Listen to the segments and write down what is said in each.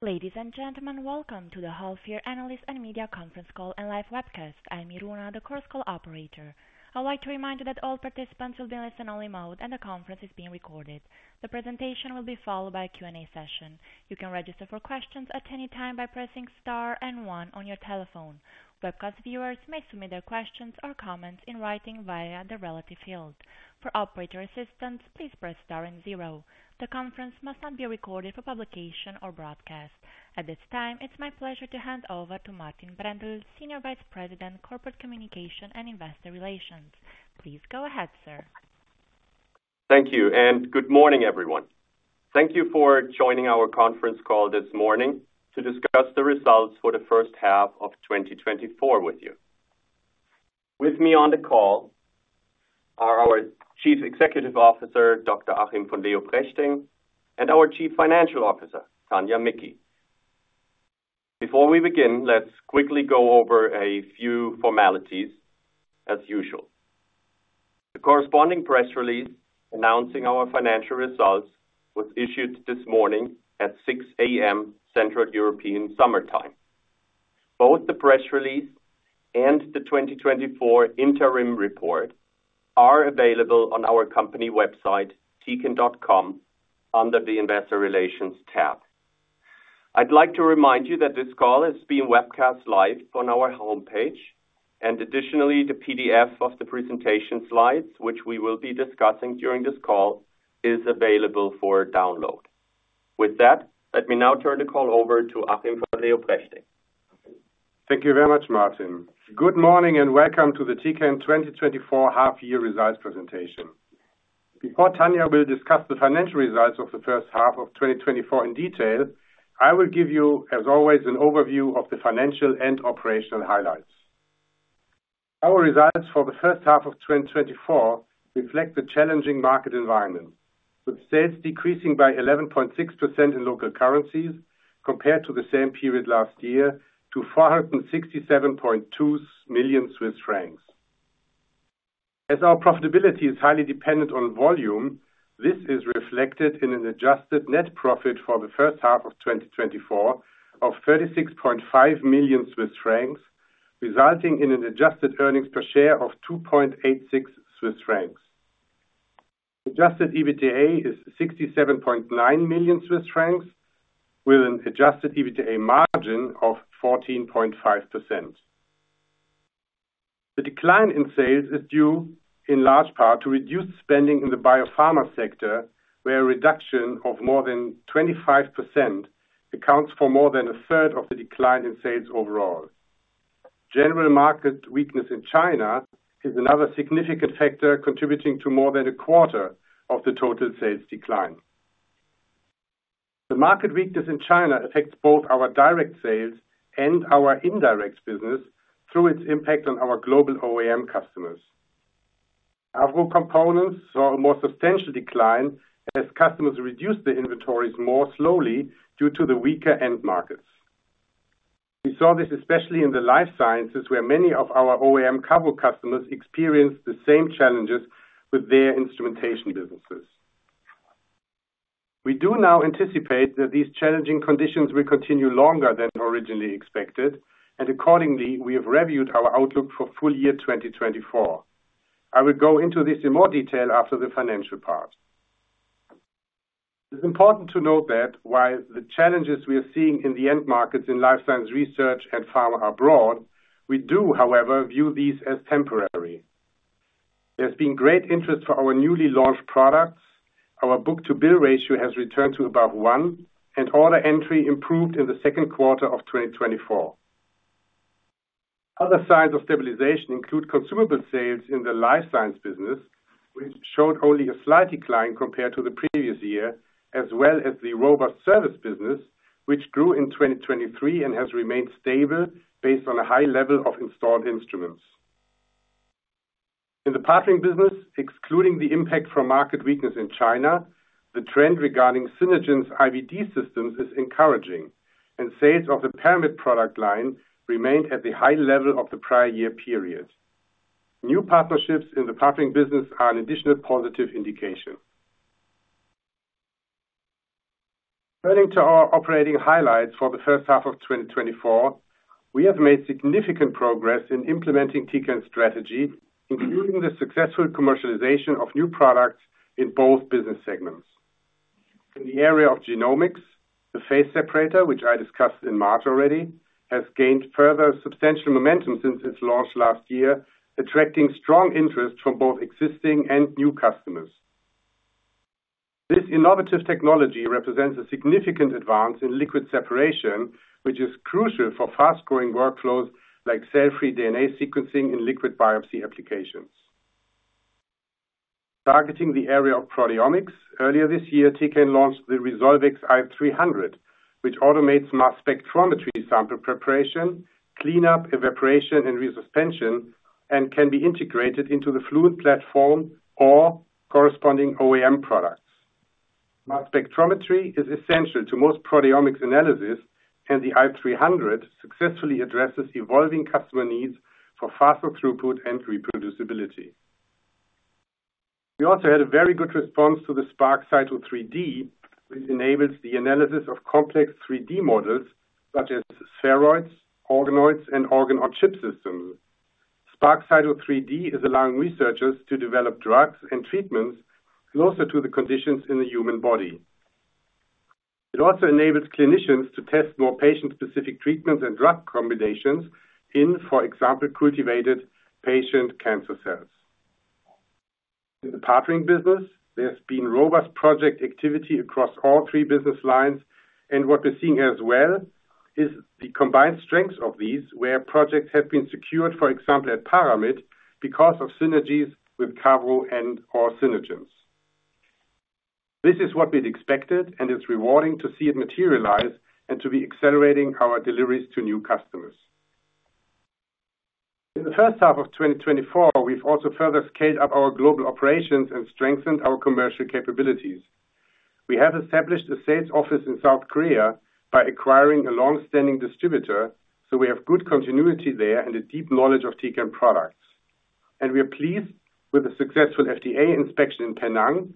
Ladies and gentlemen, welcome to the Half Year Analyst and Media Conference Call and live webcast. I'm Iruna, the Chorus Call operator. I'd like to remind you that all participants will be in listen-only mode, and the conference is being recorded. The presentation will be followed by a Q&A session. You can register for questions at any time by pressing star and one on your telephone. Webcast viewers may submit their questions or comments in writing via the relevant field. For operator assistance, please press star and zero. The conference must not be recorded for publication or broadcast. At this time, it's my pleasure to hand over to Martin Brändle, Senior Vice President, Corporate Communication and Investor Relations. Please go ahead, sir. Thank you, and good morning, everyone. Thank you for joining our conference call this morning to discuss the results for the first half of 2024 with you. With me on the call are our Chief Executive Officer, Dr. Achim von Leoprechting, and our Chief Financial Officer, Tania Micki. Before we begin, let's quickly go over a few formalities, as usual. The corresponding press release announcing our financial results was issued this morning at 6:00 A.M., Central European Summer Time. Both the press release and the 2024 interim report are available on our company website, tecan.com, under the Investor Relations tab. I'd like to remind you that this call is being webcast live on our homepage, and additionally, the PDF of the presentation slides, which we will be discussing during this call, is available for download. With that, let me now turn the call over to Achim von Leoprechting. Thank you very much, Martin. Good morning, and welcome to the Tecan 2024 half year results presentation. Before Tania will discuss the financial results of the first half of 2024 in detail, I will give you, as always, an overview of the financial and operational highlights. Our results for the first half of 2024 reflect the challenging market environment, with sales decreasing by 11.6% in local currencies compared to the same period last year, to 467.2 million Swiss francs. As our profitability is highly dependent on volume, this is reflected in an adjusted net profit for the first half of 2024 of 36.5 million Swiss francs, resulting in an adjusted earnings per share of 2.86 Swiss francs. Adjusted EBITDA is 67.9 million Swiss francs, with an adjusted EBITDA margin of 14.5%. The decline in sales is due in large part to reduced spending in the biopharma sector, where a reduction of more than 25% accounts for more than a third of the decline in sales overall. General market weakness in China is another significant factor, contributing to more than a quarter of the total sales decline. The market weakness in China affects both our direct sales and our indirect business through its impact on our global OEM customers. Our raw components saw a more substantial decline as customers reduced their inventories more slowly due to the weaker end markets. We saw this especially in the life sciences, where many of our OEM cover customers experienced the same challenges with their instrumentation businesses. We do now anticipate that these challenging conditions will continue longer than originally expected, and accordingly, we have reviewed our outlook for full year 2024. I will go into this in more detail after the financial part. It's important to note that while the challenges we are seeing in the end markets in life science research and pharma are broad, we do, however, view these as temporary. There's been great interest for our newly launched products. Our book-to-bill ratio has returned to about one, and order entry improved in the second quarter of 2024. Other signs of stabilization include consumable sales in the life science business, which showed only a slight decline compared to the previous year, as well as the robust service business, which grew in 2023 and has remained stable based on a high level of installed instruments. In the partnering business, excluding the impact from market weakness in China, the trend regarding Synergence IVD systems is encouraging, and sales of the Paramit product line remained at the high level of the prior year period. New partnerships in the partnering business are an additional positive indication. Turning to our operating highlights for the first half of 2024, we have made significant progress in implementing Tecan's strategy, including the successful commercialization of new products in both business segments. In the area of genomics, the Phase Separator, which I discussed in March already, has gained further substantial momentum since its launch last year, attracting strong interest from both existing and new customers. This innovative technology represents a significant advance in liquid separation, which is crucial for fast-growing workflows like cell-free DNA sequencing and liquid biopsy applications. Targeting the area of proteomics, earlier this year, Tecan launched the Resolvex i300, which automates mass spectrometry, sample preparation, cleanup, evaporation, and resuspension, and can be integrated into the Fluent platform or corresponding OEM products. Mass spectrometry is essential to most proteomics analysis, and the i300 successfully addresses evolving customer needs for faster throughput and reproducibility. We also had a very good response to the Spark Cyto 3D, which enables the analysis of complex 3D models such as spheroids, organoids, and organ-on-chip systems. Spark Cyto 3D is allowing researchers to develop drugs and treatments closer to the conditions in the human body. It also enables clinicians to test more patient-specific treatments and drug combinations in, for example, cultivated patient cancer cells. In the partnering business, there's been robust project activity across all three business lines, and what we're seeing as well is the combined strengths of these, where projects have been secured, for example, at Paramit, because of synergies with Cavro and our Synergence. This is what we'd expected, and it's rewarding to see it materialize and to be accelerating our deliveries to new customers. In the first half of 2024, we've also further scaled up our global operations and strengthened our commercial capabilities. We have established a sales office in South Korea by acquiring a long-standing distributor, so we have good continuity there and a deep knowledge of Tecan products. We are pleased with the successful FDA inspection in Penang,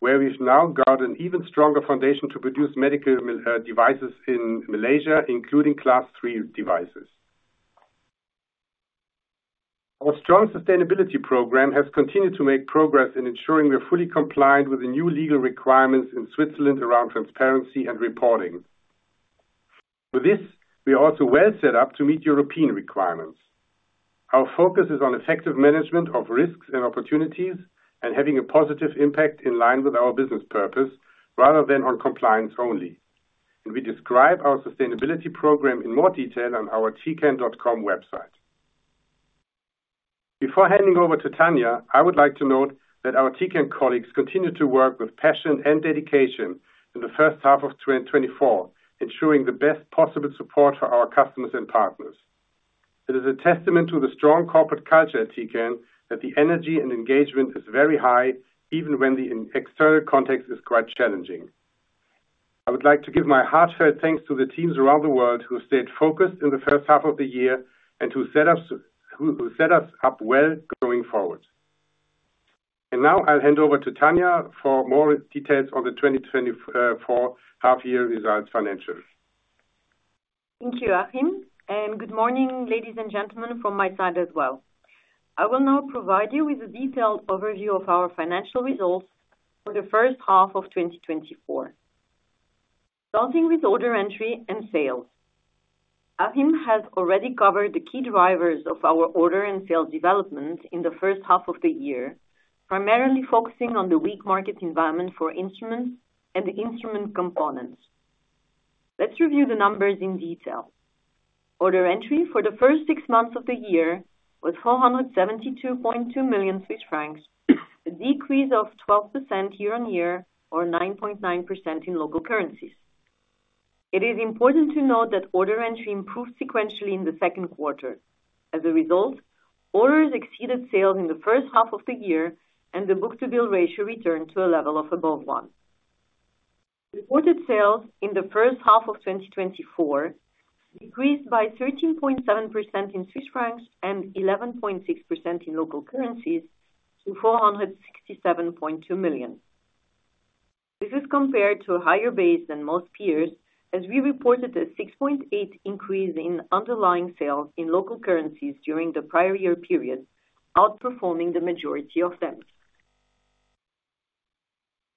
where we've now got an even stronger foundation to produce medical devices in Malaysia, including Class III devices. Our strong sustainability program has continued to make progress in ensuring we're fully compliant with the new legal requirements in Switzerland around transparency and reporting. With this, we are also well set up to meet European requirements. Our focus is on effective management of risks and opportunities and having a positive impact in line with our business purpose, rather than on compliance only. We describe our sustainability program in more detail on our tecan.com website. Before handing over to Tania, I would like to note that our Tecan colleagues continue to work with passion and dedication in the first half of 2024, ensuring the best possible support for our customers and partners. It is a testament to the strong corporate culture at Tecan that the energy and engagement is very high, even when the external context is quite challenging. I would like to give my heartfelt thanks to the teams around the world who stayed focused in the first half of the year and who set us up well going forward. Now I'll hand over to Tanya for more details on the 2024 half-year results financials. Thank you, Achim, and good morning, ladies and gentlemen, from my side as well. I will now provide you with a detailed overview of our financial results for the first half of 2024. Starting with order entry and sales. Achim has already covered the key drivers of our order and sales development in the first half of the year, primarily focusing on the weak market environment for instruments and instrument components. Let's review the numbers in detail. Order entry for the first six months of the year was 472.2 million Swiss francs, a decrease of 12% year-on-year or 9.9% in local currencies. It is important to note that order entry improved sequentially in the second quarter. As a result, orders exceeded sales in the first half of the year, and the book-to-bill ratio returned to a level of above one. Reported sales in the first half of 2024 decreased by 13.7% in Swiss francs and 11.6% in local currencies to 467.2 million. This is compared to a higher base than most peers, as we reported a 6.8% increase in underlying sales in local currencies during the prior year period, outperforming the majority of them.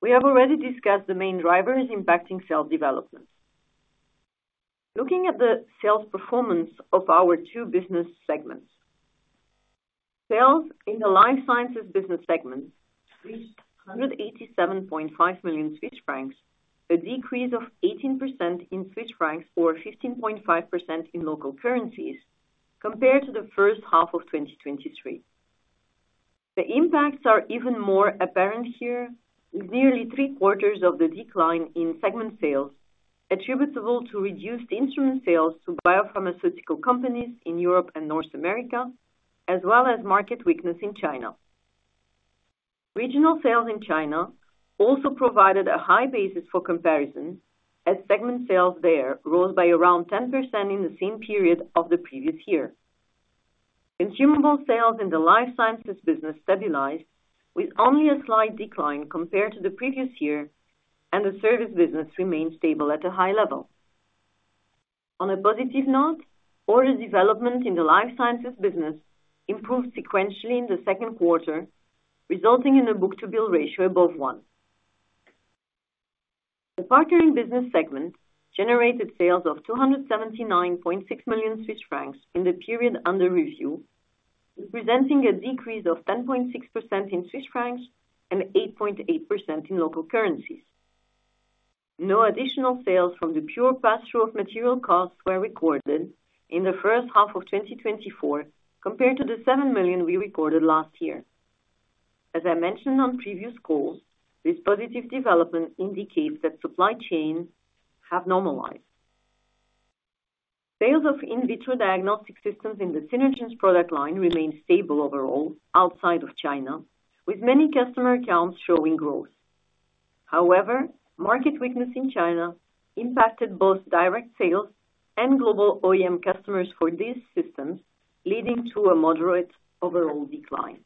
We have already discussed the main drivers impacting sales development. Looking at the sales performance of our two business segments. Sales in the Life Sciences business segment reached 187.5 million Swiss francs, a decrease of 18% in Swiss francs or 15.5% in local currencies compared to the first half of 2023. The impacts are even more apparent here, with nearly three quarters of the decline in segment sales attributable to reduced instrument sales to biopharmaceutical companies in Europe and North America, as well as market weakness in China. Regional sales in China also provided a high basis for comparison, as segment sales there rose by around 10% in the same period of the previous year. Consumables sales in the Life Sciences business stabilized with only a slight decline compared to the previous year, and the service business remained stable at a high level. On a positive note, order development in the Life Sciences business improved sequentially in the second quarter, resulting in a book-to-bill ratio above one. The Partnering Business segment generated sales of 279.6 million Swiss francs in the period under review, representing a decrease of 10.6% in Swiss francs and 8.8% in local currencies. No additional sales from the pure pass-through of material costs were recorded in the first half of 2024, compared to the 7 million we recorded last year. As I mentioned on previous calls, this positive development indicates that supply chains have normalized. Sales of in-vitro diagnostic systems in the Synergence product line remained stable overall outside of China, with many customer accounts showing growth.... However, market weakness in China impacted both direct sales and global OEM customers for these systems, leading to a moderate overall decline.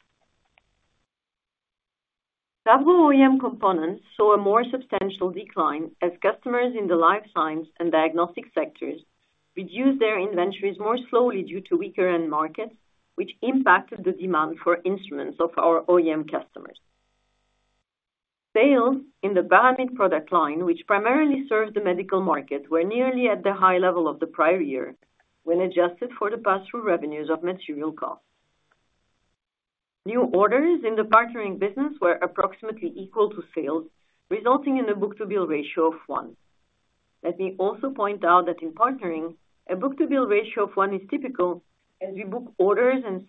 Double OEM components saw a more substantial decline as customers in the life science and diagnostic sectors reduced their inventories more slowly due to weaker end markets, which impacted the demand for instruments of our OEM customers. Sales in the Paramit product line, which primarily serves the medical market, were nearly at the high level of the prior year, when adjusted for the pass-through revenues of material costs. New orders in the partnering business were approximately equal to sales, resulting in a book-to-bill ratio of one. Let me also point out that in partnering, a book-to-bill ratio of one is typical, as we book orders and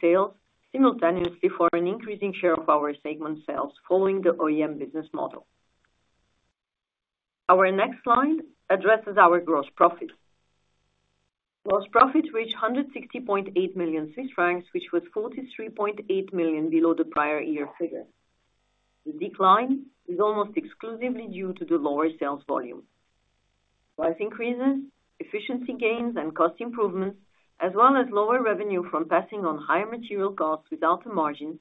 sales simultaneously for an increasing share of our segment sales, following the OEM business model. Our next slide addresses our gross profit. Gross profit reached 160.8 million Swiss francs, which was 43.8 million below the prior year figure. The decline is almost exclusively due to the lower sales volume. Price increases, efficiency gains, and cost improvements, as well as lower revenue from passing on higher material costs without the margins,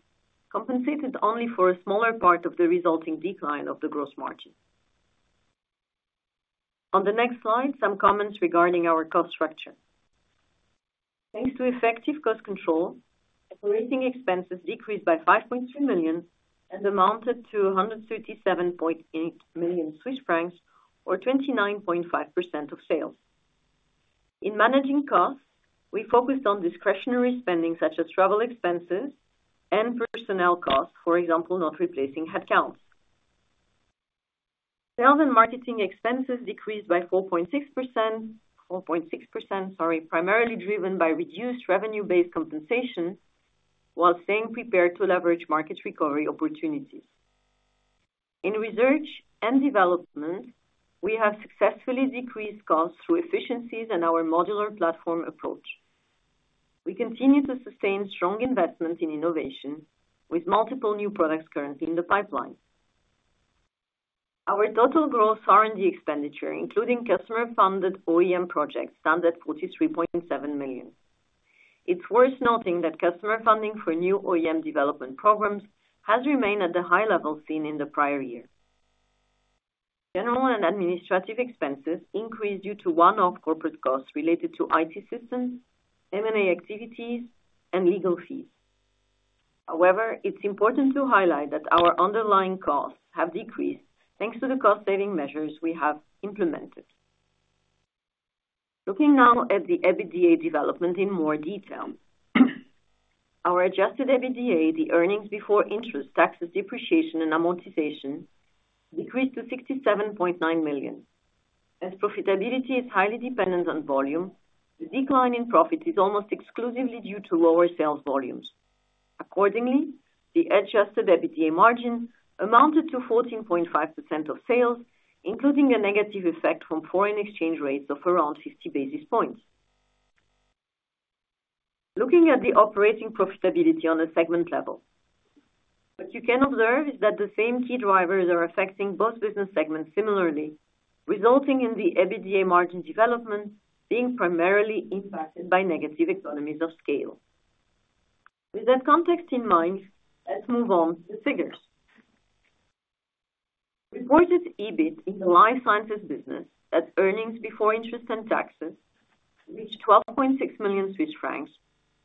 compensated only for a smaller part of the resulting decline of the gross margin. On the next slide, some comments regarding our cost structure. Thanks to effective cost control, operating expenses decreased by 5.3 million and amounted to 137.8 million Swiss francs, or 29.5% of sales. In managing costs, we focused on discretionary spending, such as travel expenses and personnel costs, for example, not replacing headcounts. Sales and marketing expenses decreased by 4.6%, 4.6%, sorry, primarily driven by reduced revenue-based compensation, while staying prepared to leverage market recovery opportunities. In research and development, we have successfully decreased costs through efficiencies and our modular platform approach. We continue to sustain strong investment in innovation, with multiple new products currently in the pipeline. Our total gross R&D expenditure, including customer-funded OEM projects, stand at 43.7 million. It's worth noting that customer funding for new OEM development programs has remained at the high level seen in the prior year. General and administrative expenses increased due to one-off corporate costs related to IT systems, M&A activities, and legal fees. However, it's important to highlight that our underlying costs have decreased, thanks to the cost saving measures we have implemented. Looking now at the EBITDA development in more detail. Our adjusted EBITDA, the earnings before interest, taxes, depreciation, and amortization, decreased to 67.9 million. As profitability is highly dependent on volume, the decline in profit is almost exclusively due to lower sales volumes. Accordingly, the adjusted EBITDA margin amounted to 14.5% of sales, including a negative effect from foreign exchange rates of around 50 basis points. Looking at the operating profitability on a segment level. What you can observe is that the same key drivers are affecting both business segments similarly, resulting in the EBITDA margin development being primarily impacted by negative economies of scale. With that context in mind, let's move on to the figures. Reported EBIT in the Life Sciences business, that's earnings before interest and taxes, reached 12.6 million Swiss francs,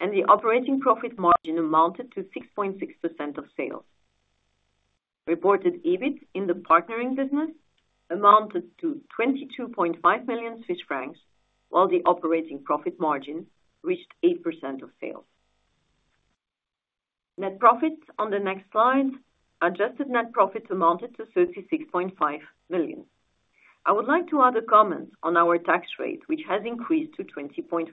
and the operating profit margin amounted to 6.6% of sales. Reported EBIT in the partnering business amounted to 22.5 million Swiss francs, while the operating profit margin reached 8% of sales. Net profits on the next slide. Adjusted net profits amounted to 36.5 million. I would like to add a comment on our tax rate, which has increased to 20.5%.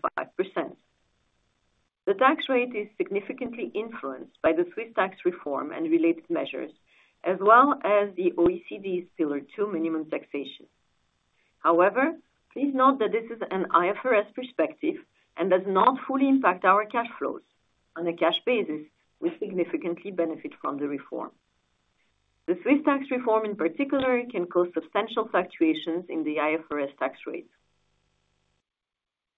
The tax rate is significantly influenced by the Swiss tax reform and related measures, as well as the OECD's Pillar Two minimum taxation. However, please note that this is an IFRS perspective and does not fully impact our cash flows. On a cash basis, we significantly benefit from the reform. The Swiss tax reform, in particular, can cause substantial fluctuations in the IFRS tax rate.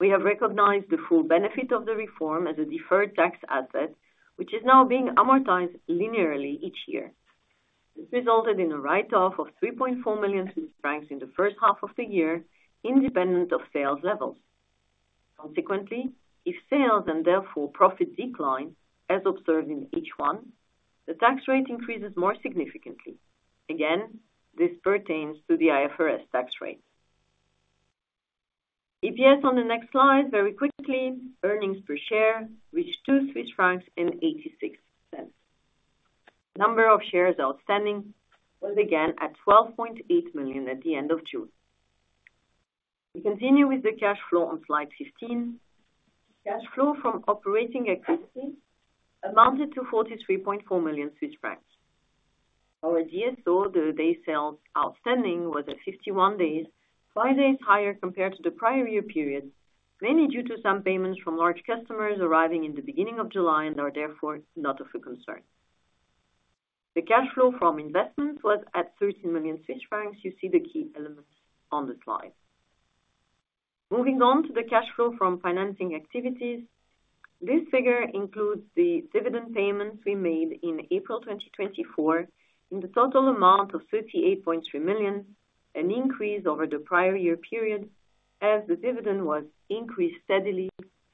We have recognized the full benefit of the reform as a deferred tax asset, which is now being amortized linearly each year. This resulted in a write-off of 3.4 million Swiss francs in the first half of the year, independent of sales levels. Consequently, if sales and therefore profit decline, as observed in H1, the tax rate increases more significantly. Again, this pertains to the IFRS tax rate. EPS on the next slide, very quickly. Earnings per share reached 2.86 Swiss francs. Number of shares outstanding was again at 12.8 million at the end of June. We continue with the cash flow on slide 15. Cash flow from operating activities amounted to 43.4 million Swiss francs. Our DSO, the days sales outstanding, was at 51 days, 5 days higher compared to the prior year period, mainly due to some payments from large customers arriving in the beginning of July and are therefore not of a concern. The cash flow from investments was at 13 million Swiss francs. You see the key elements on the slide. Moving on to the cash flow from financing activities, this figure includes the dividend payments we made in April 2024, in the total amount of 38.3 million, an increase over the prior year period, as the dividend was increased steadily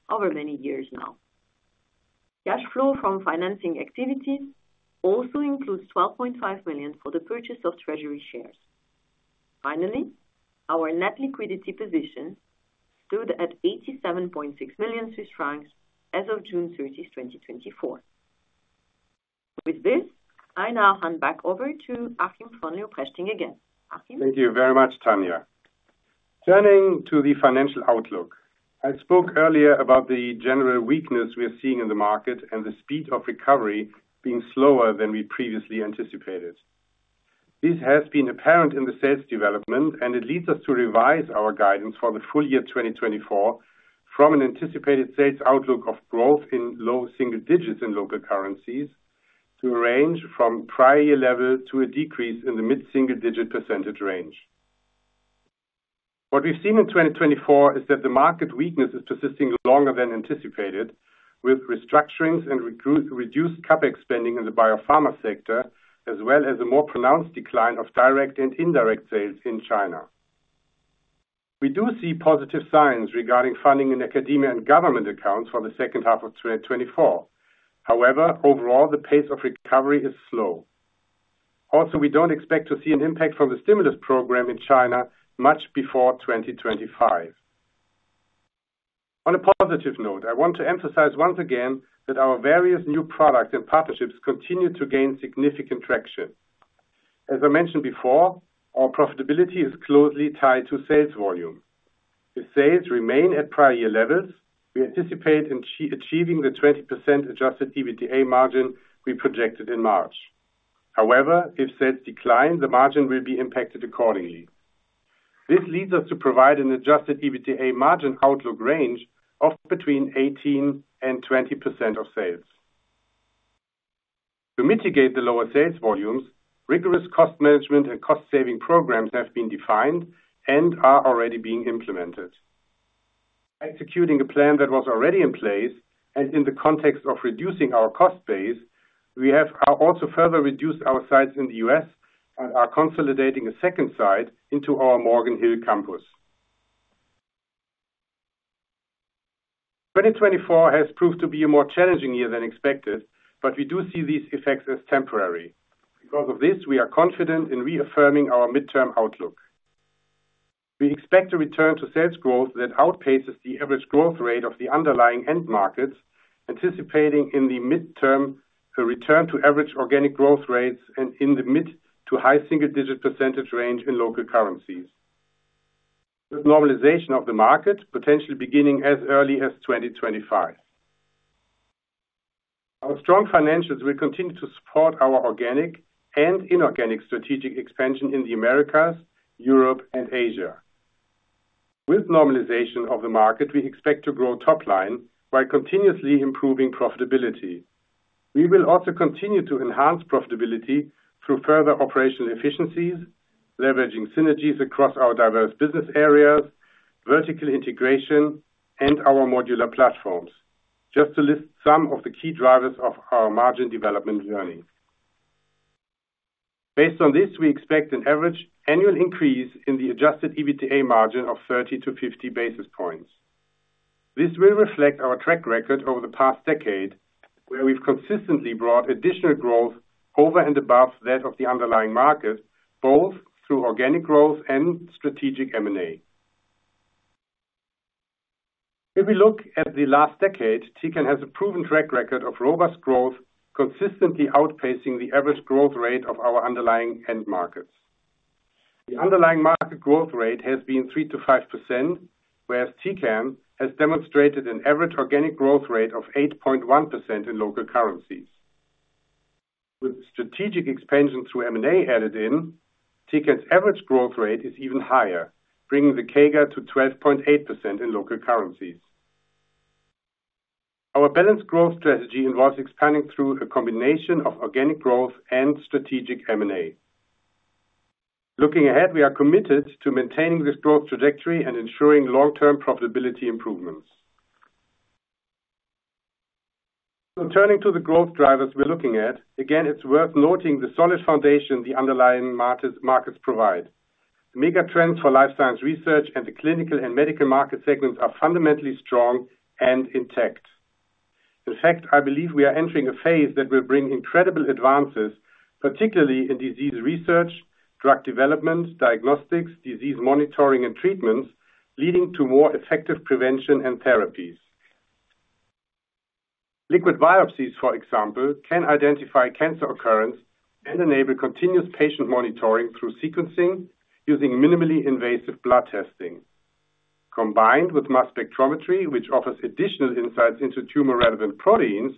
over many years now. Cash flow from financing activities also includes 12.5 million for the purchase of treasury shares. Finally, our net liquidity position stood at 87.6 million Swiss francs as of June 30, 2024. With this, I now hand back over to Achim von Leoprechting again. Achim? Thank you very much, Tania. Turning to the financial outlook, I spoke earlier about the general weakness we are seeing in the market and the speed of recovery being slower than we previously anticipated. This has been apparent in the sales development, and it leads us to revise our guidance for the full year 2024 from an anticipated sales outlook of growth in low single digits in local currencies, to a range from prior year level to a decrease in the mid-single digit percentage range. What we've seen in 2024 is that the market weakness is persisting longer than anticipated, with restructurings and reduced CapEx spending in the biopharma sector, as well as a more pronounced decline of direct and indirect sales in China. We do see positive signs regarding funding in academia and government accounts for the second half of 2024. However, overall, the pace of recovery is slow. Also, we don't expect to see an impact from the stimulus program in China much before 2025. On a positive note, I want to emphasize once again that our various new products and partnerships continue to gain significant traction. As I mentioned before, our profitability is closely tied to sales volume. If sales remain at prior year levels, we anticipate achieving the 20% adjusted EBITDA margin we projected in March. However, if sales decline, the margin will be impacted accordingly. This leads us to provide an adjusted EBITDA margin outlook range of between 18% and 20% of sales. To mitigate the lower sales volumes, rigorous cost management and cost-saving programs have been defined and are already being implemented. Executing a plan that was already in place and in the context of reducing our cost base, we have also further reduced our sites in the U.S. and are consolidating a second site into our Morgan Hill campus. 2024 has proved to be a more challenging year than expected, but we do see these effects as temporary. Because of this, we are confident in reaffirming our midterm outlook. We expect a return to sales growth that outpaces the average growth rate of the underlying end markets, anticipating in the midterm, a return to average organic growth rates and in the mid to high-single-digit percentage range in local currencies. With normalization of the market, potentially beginning as early as 2025. Our strong financials will continue to support our organic and inorganic strategic expansion in the Americas, Europe, and Asia. With normalization of the market, we expect to grow top line while continuously improving profitability. We will also continue to enhance profitability through further operational efficiencies, leveraging synergies across our diverse business areas, vertical integration, and our modular platforms, just to list some of the key drivers of our margin development journey. Based on this, we expect an average annual increase in the adjusted EBITDA margin of 30-50 basis points. This will reflect our track record over the past decade, where we've consistently brought additional growth over and above that of the underlying market, both through organic growth and strategic M&A. If we look at the last decade, Tecan has a proven track record of robust growth, consistently outpacing the average growth rate of our underlying end markets. The underlying market growth rate has been 3%-5%, whereas Tecan has demonstrated an average organic growth rate of 8.1% in local currencies. With strategic expansion through M&A added in, Tecan's average growth rate is even higher, bringing the CAGR to 12.8% in local currencies. Our balanced growth strategy involves expanding through a combination of organic growth and strategic M&A. Looking ahead, we are committed to maintaining this growth trajectory and ensuring long-term profitability improvements. So turning to the growth drivers we're looking at, again, it's worth noting the solid foundation the underlying markets provide. The mega trends for life science research and the clinical and medical market segments are fundamentally strong and intact. In fact, I believe we are entering a phase that will bring incredible advances, particularly in disease research, drug development, diagnostics, disease monitoring, and treatments, leading to more effective prevention and therapies. Liquid biopsies, for example, can identify cancer occurrence and enable continuous patient monitoring through sequencing using minimally invasive blood testing. Combined with mass spectrometry, which offers additional insights into tumor-relevant proteins,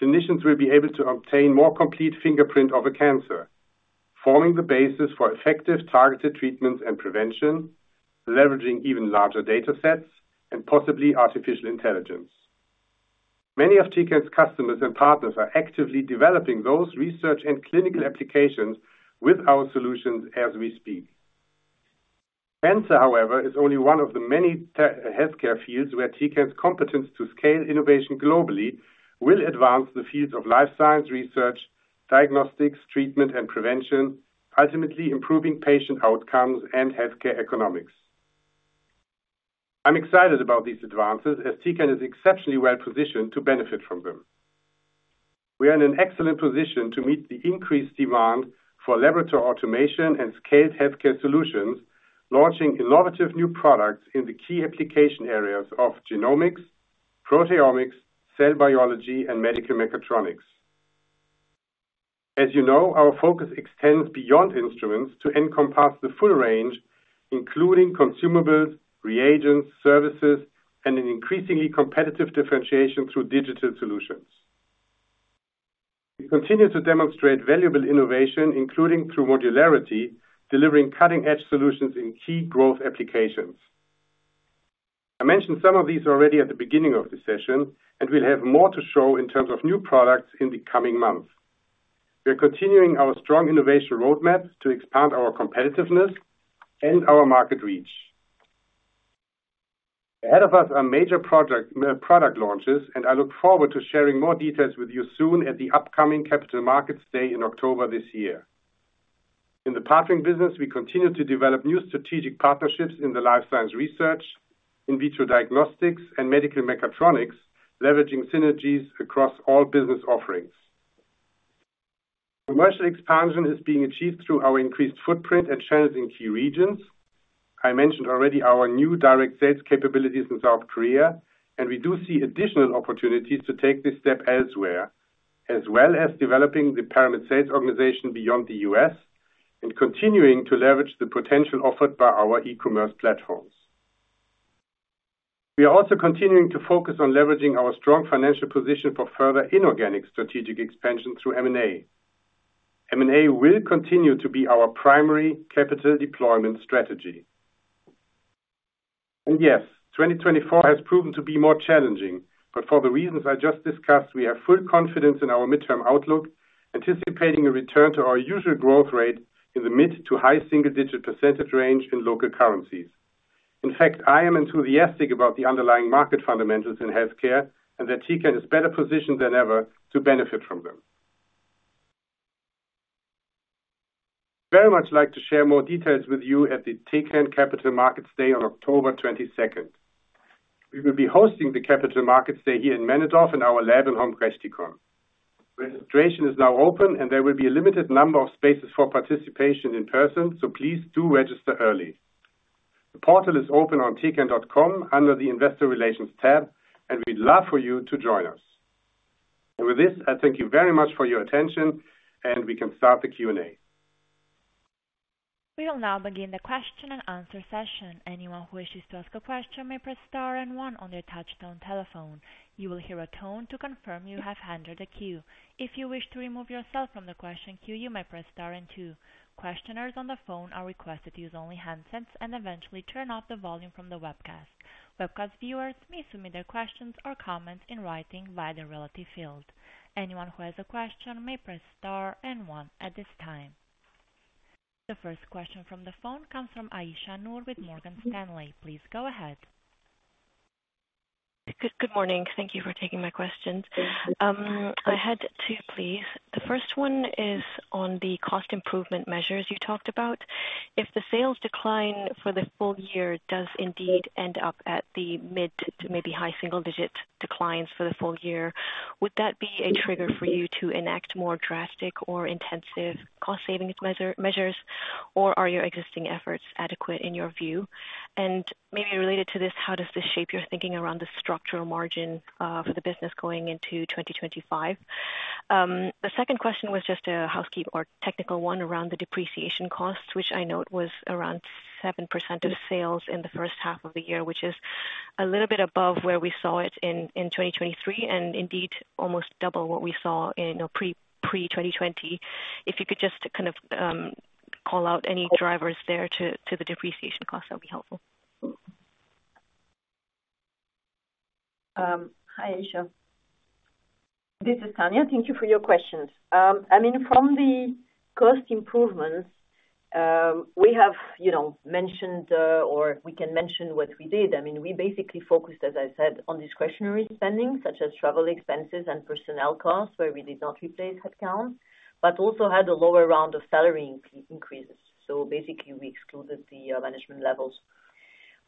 clinicians will be able to obtain more complete fingerprint of a cancer, forming the basis for effective targeted treatments and prevention, leveraging even larger data sets and possibly artificial intelligence. Many of Tecan's customers and partners are actively developing those research and clinical applications with our solutions as we speak. Cancer, however, is only one of the many healthcare fields where Tecan's competence to scale innovation globally will advance the fields of life science, research, diagnostics, treatment, and prevention, ultimately improving patient outcomes and healthcare economics. I'm excited about these advances, as Tecan is exceptionally well positioned to benefit from them. We are in an excellent position to meet the increased demand for laboratory automation and scaled healthcare solutions, launching innovative new products in the key application areas of genomics, proteomics, cell biology, and medical mechatronics. As you know, our focus extends beyond instruments to encompass the full range, including consumables, reagents, services, and an increasingly competitive differentiation through digital solutions. We continue to demonstrate valuable innovation, including through modularity, delivering cutting-edge solutions in key growth applications. I mentioned some of these already at the beginning of the session, and we'll have more to show in terms of new products in the coming months. We are continuing our strong innovation roadmap to expand our competitiveness and our market reach. Ahead of us are major project, product launches, and I look forward to sharing more details with you soon at the upcoming Capital Markets Day in October this year. In the partnering business, we continue to develop new strategic partnerships in the life science research, in vitro diagnostics, and medical mechatronics, leveraging synergies across all business offerings. Commercial expansion is being achieved through our increased footprint and channels in key regions. I mentioned already our new direct sales capabilities in South Korea, and we do see additional opportunities to take this step elsewhere, as well as developing the Paramit sales organization beyond the U.S., and continuing to leverage the potential offered by our e-commerce platforms. We are also continuing to focus on leveraging our strong financial position for further inorganic strategic expansion through M&A. M&A will continue to be our primary capital deployment strategy. Yes, 2024 has proven to be more challenging, but for the reasons I just discussed, we have full confidence in our midterm outlook, anticipating a return to our usual growth rate in the mid- to high-single-digit percentage range in local currencies. In fact, I am enthusiastic about the underlying market fundamentals in healthcare, and that Tecan is better positioned than ever to benefit from them. Very much like to share more details with you at the Tecan Capital Markets Day on October 22nd. We will be hosting the Capital Markets Day here in Männedorf in our lab and home, Hombrechtikon. Registration is now open, and there will be a limited number of spaces for participation in person, so please do register early. The portal is open on tecan.com under the Investor Relations tab, and we'd love for you to join us. With this, I thank you very much for your attention, and we can start the Q&A. We will now begin the question and answer session. Anyone who wishes to ask a question may press star and one on their touchtone telephone. You will hear a tone to confirm you have entered a queue. If you wish to remove yourself from the question queue, you may press star and two. Questioners on the phone are requested to use only handsets and eventually turn off the volume from the webcast. Webcast viewers may submit their questions or comments in writing via the relative field. Anyone who has a question may press star and one at this time. The first question from the phone comes from Aisyah Noor with Morgan Stanley. Please go ahead. Good morning. Thank you for taking my questions. I had two, please. The first one is on the cost improvement measures you talked about. If the sales decline for the full year does indeed end up at the mid to maybe high single digit declines for the full year, would that be a trigger for you to enact more drastic or intensive cost savings measure, measures, or are your existing efforts adequate in your view? And maybe related to this, how does this shape your thinking around the structural margin for the business going into 2025? The second question was just a housekeeping or technical one around the depreciation costs, which I know it was around 7% of sales in the first half of the year, which is a little bit above where we saw it in 2023, and indeed, almost double what we saw in, you know, pre-2020. If you could just kind of call out any drivers there to the depreciation cost, that would be helpful. Hi, Aisha. This is Tanya. Thank you for your questions. I mean, from the cost improvements, we have, you know, mentioned, or we can mention what we did. I mean, we basically focused, as I said, on discretionary spending, such as travel expenses and personnel costs, where we did not replace headcount, but also had a lower round of salary increases. So basically, we excluded the management levels.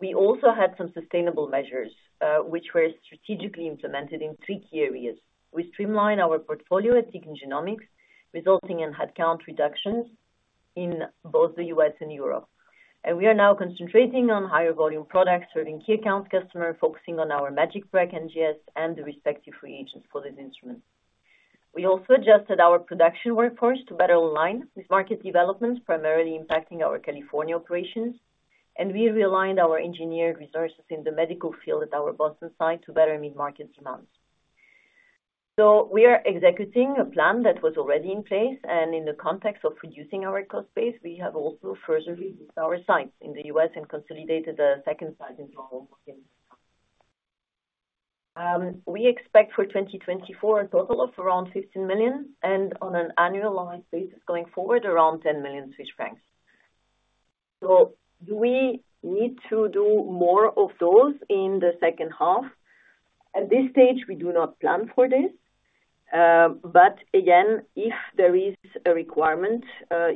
We also had some sustainable measures, which were strategically implemented in three key areas. We streamlined our portfolio at Tecan Genomics, resulting in headcount reductions in both the U.S. and Europe. And we are now concentrating on higher volume products, serving key account customers, focusing on our MagicPrep NGS and the respective reagents for these instruments. We also adjusted our production workforce to better align with market developments, primarily impacting our California operations, and we've realigned our engineering resources in the medical field at our Boston site to better meet market demands. So we are executing a plan that was already in place, and in the context of reducing our cost base, we have also further reduced our sites in the U.S. and consolidated a second site in Europe. We expect for 2024, a total of around 15 million, and on an annualized basis going forward, around 10 million Swiss francs. So do we need to do more of those in the second half? At this stage, we do not plan for this. But again, if there is a requirement,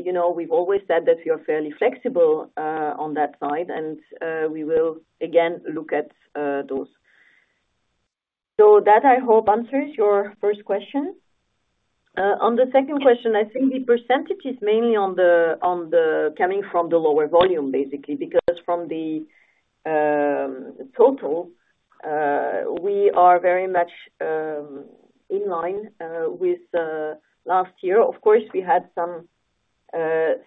you know, we've always said that we are fairly flexible on that side, and we will again look at those. So that, I hope, answers your first question. On the second question, I think the percentage is mainly on the coming from the lower volume, basically, because from the total, we are very much in line with last year. Of course, we had some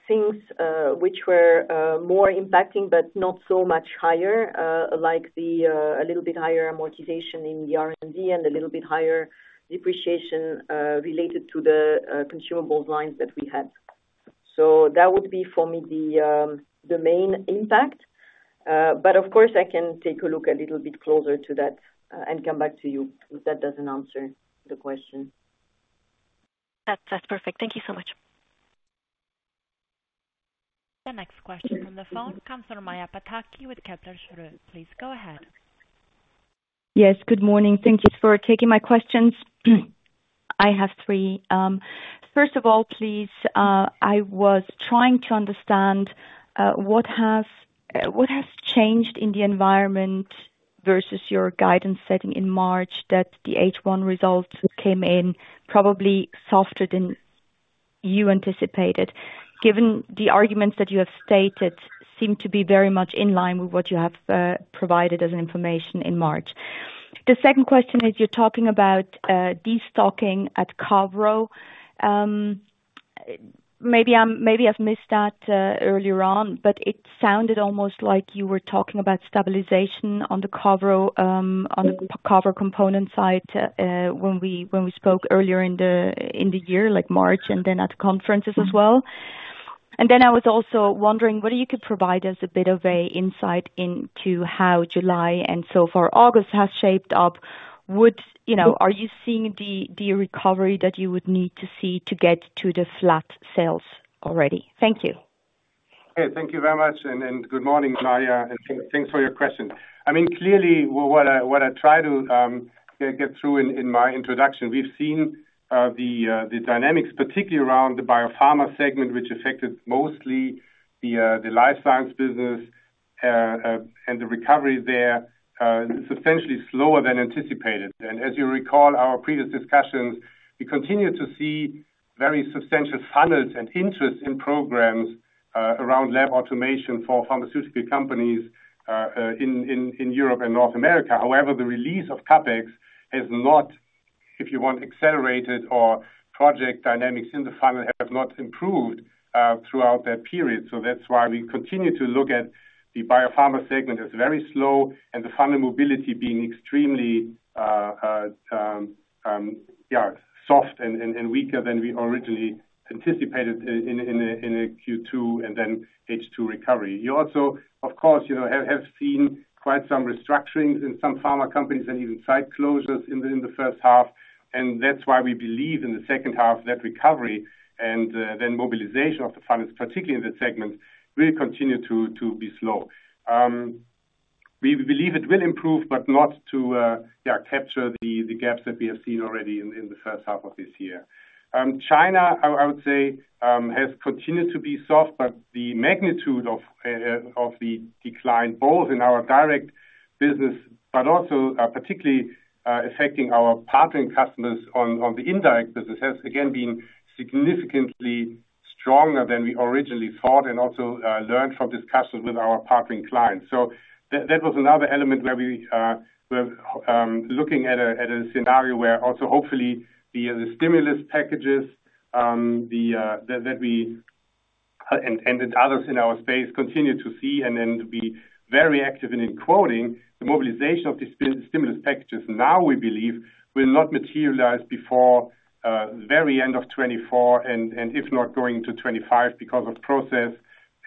things which were more impacting, but not so much higher, like the a little bit higher amortization in the R&D and a little bit higher depreciation related to the consumables lines that we had. So that would be for me, the main impact. But of course, I can take a look a little bit closer to that and come back to you, if that doesn't answer the question. That's, that's perfect. Thank you so much. The next question on the phone comes from Maja Pataki with Kepler Cheuvreux. Please go ahead. Yes, good morning. Thank you for taking my questions. I have three. First of all, please, I was trying to understand what has changed in the environment versus your guidance setting in March, that the H1 results came in probably softer than you anticipated, given the arguments that you have stated seem to be very much in line with what you have provided as information in March? The second question is, you're talking about destocking at Cavro. Maybe I've missed that earlier on, but it sounded almost like you were talking about stabilization on the Cavro component side, when we spoke earlier in the year, like March and then at conferences as well. Then I was also wondering whether you could provide us a bit of a insight into how July and so far August has shaped up? You know, are you seeing the, the recovery that you would need to see to get to the flat sales already? Thank you. Okay. Thank you very much, and good morning, Maja, and thanks for your question. I mean, clearly, what I tried to get through in my introduction, we've seen the dynamics, particularly around the biopharma segment, which affected mostly the life science business, and the recovery there, substantially slower than anticipated. And as you recall our previous discussions, we continue to see very substantial funnels and interest in programs around lab automation for pharmaceutical companies in Europe and North America. However, the release of CapEx has not, if you want, accelerated or project dynamics in the funnel, have not improved throughout that period. So that's why we continue to look at the biopharma segment as very slow, and the funnel mobility being extremely soft and weaker than we originally anticipated in a Q2 and then H2 recovery. You also, of course, you know, have seen quite some restructurings in some pharma companies and even site closures in the first half, and that's why we believe in the second half, that recovery and then mobilization of the funds, particularly in that segment, will continue to be slow. We believe it will improve, but not to capture the gaps that we have seen already in the first half of this year. China, I would say, has continued to be soft, but the magnitude of the decline, both in our direct business, but also, particularly, affecting our partnering customers on the indirect business, has again been significantly stronger than we originally thought, and also learned from discussions with our partnering clients. So that was another element where we're looking at a scenario where also hopefully the stimulus packages that we and others in our space continue to see, and then to be very active in quoting the mobilization of the stimulus packages. Now, we believe will not materialize before very end of 2024, and if not going into 2025, because of process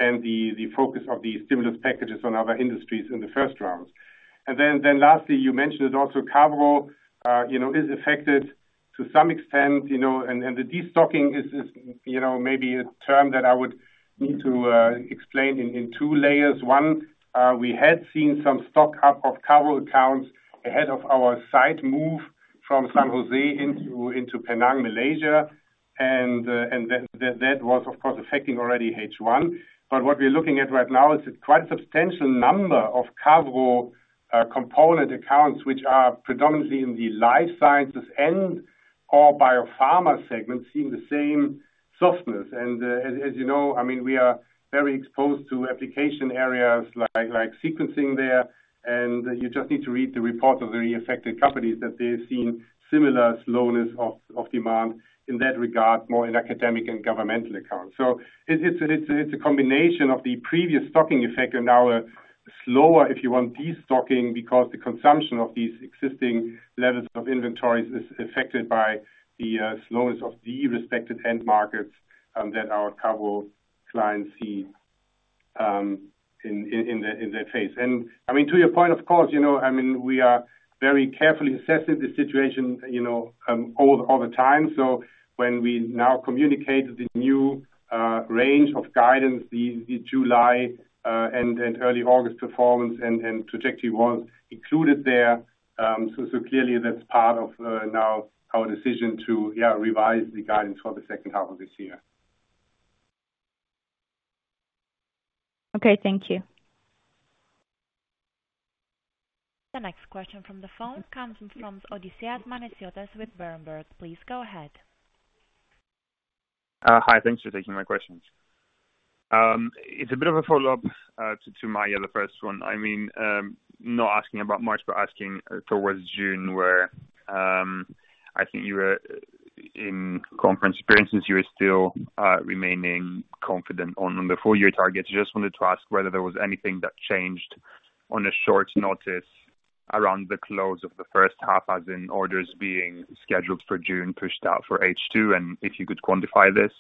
and the focus of the stimulus packages on other industries in the first rounds. And then lastly, you mentioned also Cavro, you know, is affected to some extent, you know, and the destocking is, you know, maybe a term that I would need to explain in two layers. One, we had seen some stock-up of Cavro accounts ahead of our site move from San Jose into Penang, Malaysia, and that was, of course, affecting already H1. But what we're looking at right now is a quite substantial number of Cavro component accounts, which are predominantly in the life sciences and/or biopharma segment, seeing the same softness. As you know, I mean, we are very exposed to application areas like sequencing there, and you just need to read the report of the affected companies, that they've seen similar slowness of demand in that regard, more in academic and governmental accounts. So it's a combination of the previous stocking effect and slower if you want destocking, because the consumption of these existing levels of inventories is affected by the slowness of the respective end markets that our cargo clients see in their face. I mean, to your point, of course, you know, I mean, we are very carefully assessing the situation, you know, all the time. So when we now communicate the new range of guidance, the July and early August performance and trajectory was included there. So clearly that's part of now our decision to, yeah, revise the guidance for the second half of this year. Okay, thank you. The next question from the phone comes from Odysseas Manesiotis with Berenberg. Please go ahead. Hi, thanks for taking my questions. It's a bit of a follow-up to my other first one. I mean, not asking about much, but asking towards June, where I think you were in conference experiences, you were still remaining confident on the full year targets. I just wanted to ask whether there was anything that changed on short notice around the close of the first half, as in orders being scheduled for June pushed out for H2, and if you could quantify this?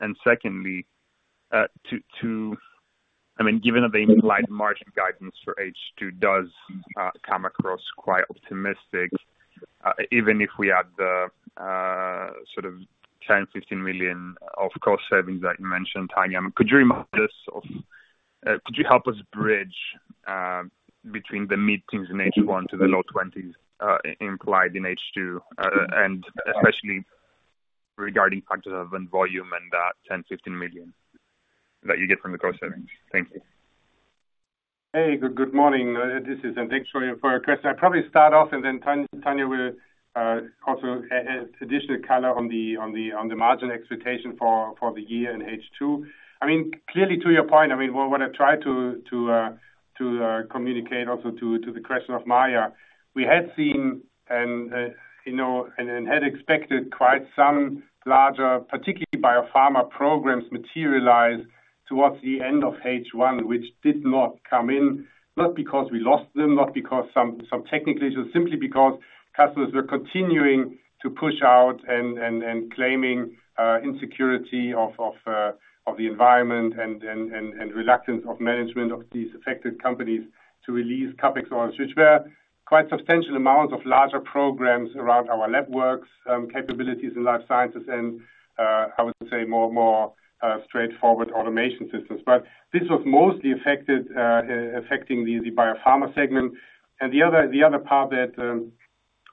And secondly, to—I mean, given that the mid-teens margin guidance for H2 does come across quite optimistic, even if we add the sort of 10 million- 15 million of cost savings that you mentioned, Tania, could you remind us of, could you help us bridge between the mid-teens in H1 to the low twenties implied in H2, and especially regarding factors of volume and that 10 million- 15 million that you get from the cost savings? Thank you. Hey, good morning, and thanks for your question. I'll probably start off, and then Tania will also add additional color on the margin expectation for the year in H2. I mean, clearly, to your point, I mean, what I tried to communicate also to the question of Maja. We had seen, and you know, and had expected quite some larger, particularly biopharma programs, materialize towards the end of H1, which did not come in, not because we lost them, not because some technical issues, simply because customers were continuing to push out and claiming insecurity of the environment and reluctance of management of these affected companies to release CapEx orders. Which were quite substantial amounts of larger programs around our networks, capabilities in life sciences, and I would say more straightforward automation systems. But this was mostly affected, affecting the biopharma segment. And the other part that,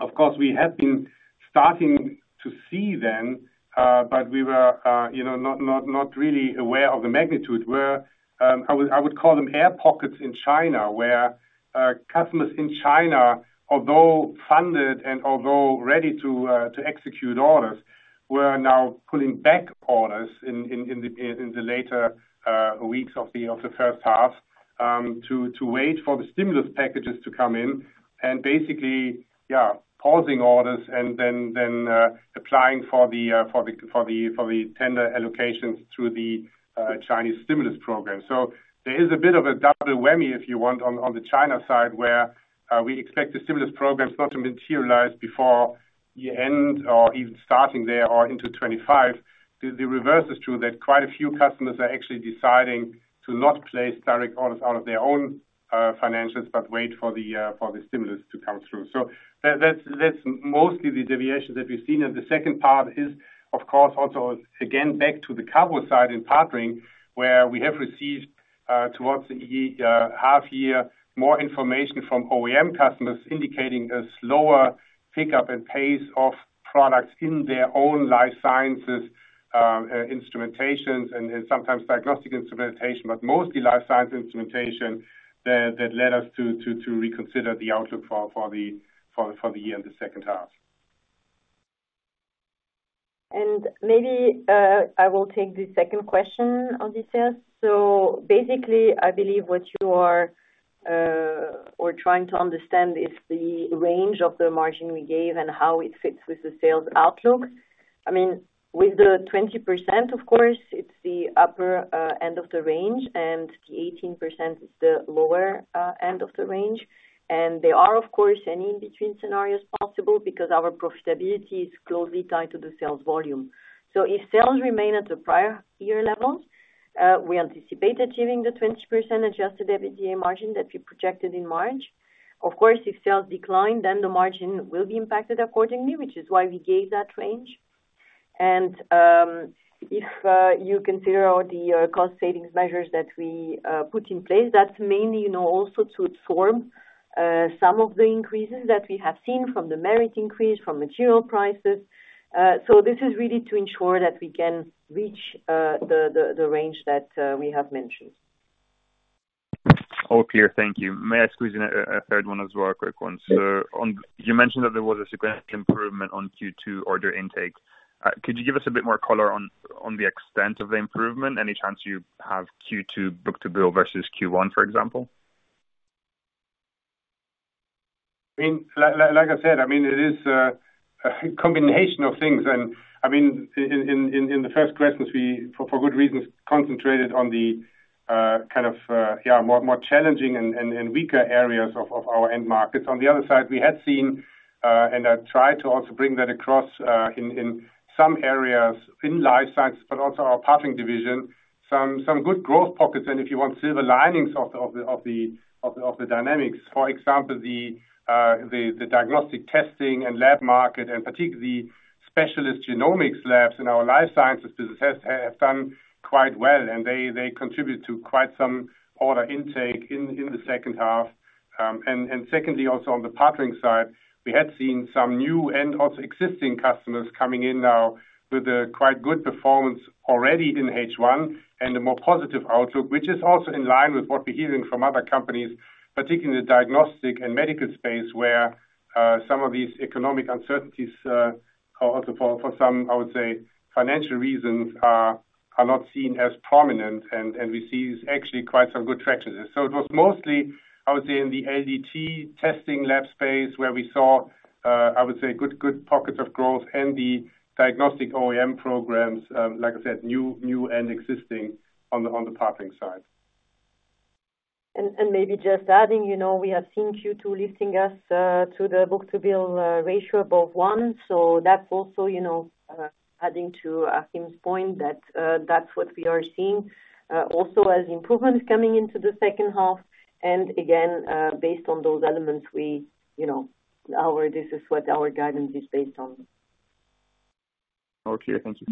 of course, we had been starting to see then, but we were, you know, not really aware of the magnitude, were I would call them air pockets in China, where customers in China, although funded and although ready to execute orders, were now pulling back orders in the later weeks of the first half, to wait for the stimulus packages to come in. Basically, yeah, pausing orders and then applying for the tender allocations through the Chinese stimulus program. So there is a bit of a double whammy, if you want, on the China side, where we expect the stimulus programs not to materialize before the end or even starting there or into 2025. The reverse is true, that quite a few customers are actually deciding to not place direct orders out of their own financials, but wait for the stimulus to come through. So that's mostly the deviations that we've seen. And the second part is, of course, also again, back to the cargo side in Partnering, where we have received, towards the half year, more information from OEM customers, indicating a slower pickup and pace of products in their own life sciences instrumentations, and sometimes diagnostic instrumentation, but mostly life science instrumentation, that led us to reconsider the outlook for the year and the second half. Maybe, I will take the second question, Odysseas. So basically, I believe what you are, or trying to understand is the range of the margin we gave and how it fits with the sales outlook. I mean, with the 20%, of course, it's the upper end of the range, and the 18% is the lower end of the range. There are, of course, any in-between scenarios possible, because our profitability is closely tied to the sales volume. So if sales remain at the prior year levels, we anticipate achieving the 20% adjusted EBITDA margin that we projected in March. Of course, if sales decline, then the margin will be impacted accordingly, which is why we gave that range. If you consider all the cost savings measures that we put in place, that's mainly, you know, also to absorb some of the increases that we have seen from the merit increase, from material prices. So this is really to ensure that we can reach the range that we have mentioned. All clear. Thank you. May I squeeze in a third one as well, a quick one? Yes. So you mentioned that there was a sequential improvement on Q2 order intake. Could you give us a bit more color on the extent of the improvement? Any chance you have Q2 book-to-bill versus Q1, for example? Like I said, I mean, it is a combination of things. And I mean, in the first questions, we, for good reasons, concentrated on the kind of, yeah, more challenging and weaker areas of our end markets. On the other side, we had seen, and I tried to also bring that across, in some areas in life science, but also our partnering division, some good growth pockets, and if you want, silver linings of the dynamics. For example, the diagnostic testing and lab market, and particularly the specialist genomics labs in our life sciences business, have done quite well, and they contribute to quite some order intake in the second half. And secondly, also on the partnering side, we had seen some new and also existing customers coming in now with a quite good performance already in H1 and a more positive outlook, which is also in line with what we're hearing from other companies, particularly the diagnostic and medical space, where some of these economic uncertainties are also for some, I would say, financial reasons, not seen as prominent, and we see actually quite some good traction. So it was mostly, I would say, in the LDT testing lab space, where we saw, I would say, good pockets of growth and the diagnostic OEM programs, like I said, new and existing on the partnering side. Maybe just adding, you know, we have seen Q2 leading us to the book-to-bill ratio above one. So that's also, you know, adding to Tim's point, that that's what we are seeing also as improvements coming into the second half. And again, based on those elements, we, you know, this is what our guidance is based on. Okay, thank you.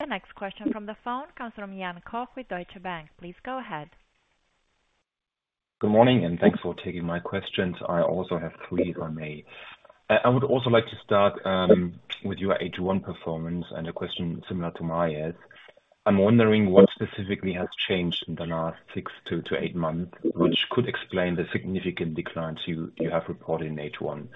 The next question from the phone comes from Jan Koch with Deutsche Bank. Please go ahead. Good morning, and thanks for taking my questions. I also have three on me. I would also like to start with your H1 performance, and a question similar to Maria's. I'm wondering what specifically has changed in the last 6-8 months, which could explain the significant declines you have reported in H1?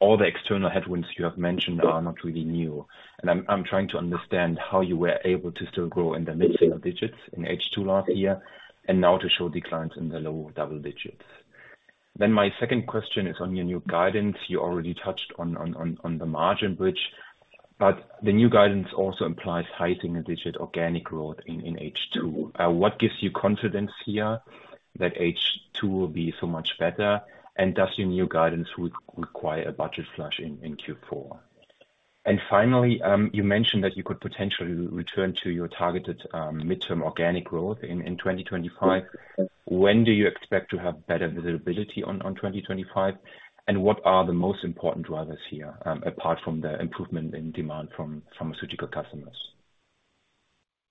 All the external headwinds you have mentioned are not really new, and I'm trying to understand how you were able to still grow in the mid-single digits in H2 last year, and now to show declines in the low double digits. Then my second question is on your new guidance. You already touched on the margin bridge, but the new guidance also implies high single digit organic growth in H2. What gives you confidence here that H2 will be so much better? Does your new guidance re-require a budget flush in Q4? And finally, you mentioned that you could potentially return to your targeted midterm organic growth in 2025. When do you expect to have better visibility on 2025? And what are the most important drivers here, apart from the improvement in demand from pharmaceutical customers?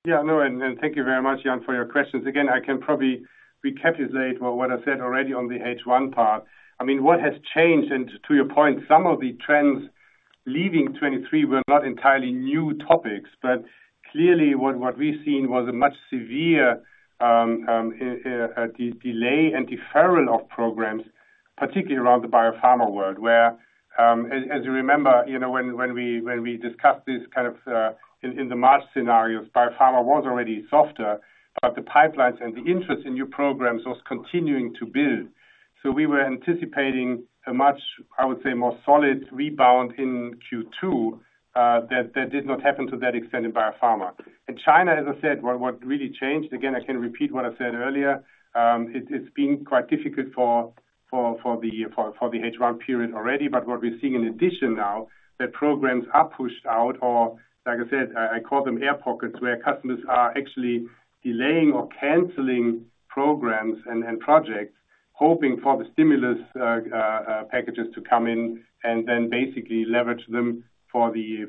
Yeah, no, and, and thank you very much, Jan, for your questions. Again, I can probably recapitulate what, what I said already on the H1 part. I mean, what has changed, and to your point, some of the trends leaving 2023 were not entirely new topics, but clearly, what, what we've seen was a much severe delay and deferral of programs, particularly around the biopharma world, where, as, as you remember, you know, when, when we, when we discussed this kind of, in, in the March scenario, biopharma was already softer, but the pipelines and the interest in new programs was continuing to build. So we were anticipating a much, I would say, more solid rebound in Q2. That, that did not happen to that extent in biopharma. In China, as I said, what really changed, again, I can repeat what I said earlier, it's been quite difficult for the H1 period already. But what we're seeing in addition now, that programs are pushed out, or like I said, I call them air pockets, where customers are actually delaying or canceling programs and projects, hoping for the stimulus packages to come in and then basically leverage them for the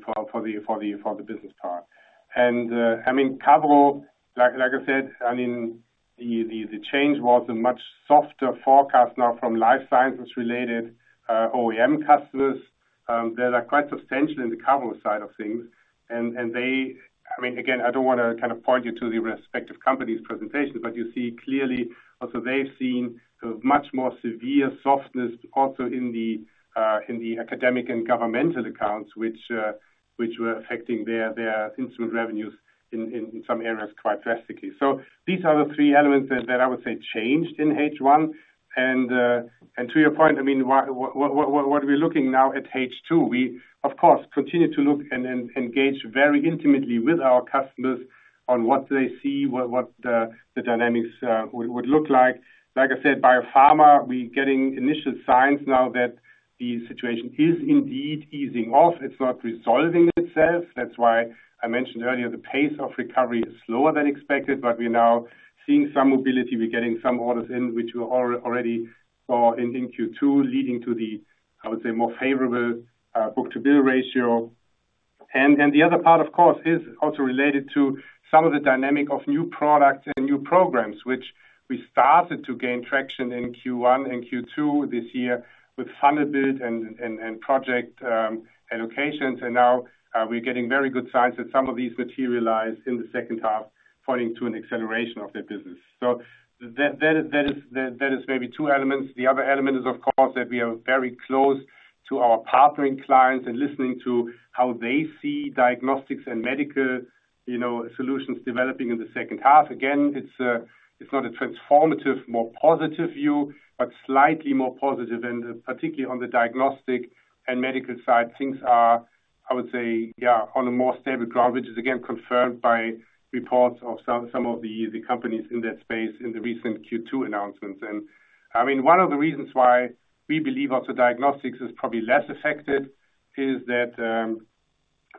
business part. And, I mean, Cavro, like I said, the change was a much softer forecast now from life sciences-related OEM customers, that are quite substantial in the Cavro side of things. They, I mean, again, I don't wanna kind of point you to the respective company's presentations, but you see clearly also they've seen a much more severe softness also in the academic and governmental accounts, which were affecting their instrument revenues in some areas quite drastically. So these are the three elements that I would say changed in H1. To your point, I mean, what are we looking now at H2? We, of course, continue to look and engage very intimately with our customers on what they see, what the dynamics would look like. Like I said, biopharma, we're getting initial signs now that the situation is indeed easing off. It's not resolving itself. That's why I mentioned earlier, the pace of recovery is slower than expected, but we're now seeing some mobility. We're getting some orders in which we already saw in Q2, leading to the, I would say, more favorable book-to-bill ratio. And the other part, of course, is also related to some of the dynamic of new products and new programs, which we started to gain traction in Q1 and Q2 this year with funded bid and project allocations. And now, we're getting very good signs that some of these materialize in the second half, pointing to an acceleration of that business. So that is maybe two elements. The other element is, of course, that we are very close to our partnering clients and listening to how they see diagnostics and medical, you know, solutions developing in the second half. Again, it's, it's not a transformative, more positive view, but slightly more positive. And particularly on the diagnostic and medical side, I would say, yeah, on a more stable ground, which is again confirmed by reports of some of the companies in that space in the recent Q2 announcements. And I mean, one of the reasons why we believe also diagnostics is probably less affected is that,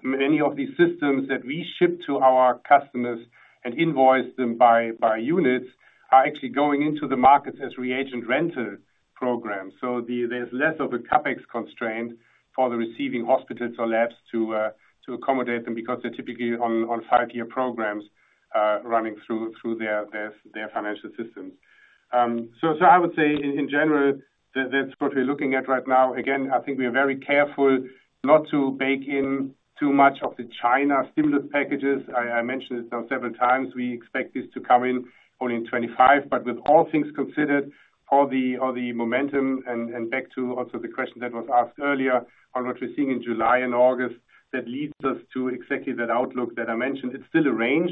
many of these systems that we ship to our customers and invoice them by units, are actually going into the market as reagent rental programs. So there's less of a CapEx constraint for the receiving hospitals or labs to, to accommodate them because they're typically on, on five-year programs, running through, through their, their, their financial systems. So I would say in, in general, that that's what we're looking at right now. Again, I think we are very careful not to bake in too much of the China stimulus packages. I, I mentioned it now several times. We expect this to come in only in 2025, but with all things considered, all the, all the momentum and, and back to also the question that was asked earlier on what we're seeing in July and August, that leads us to exactly that outlook that I mentioned. It's still a range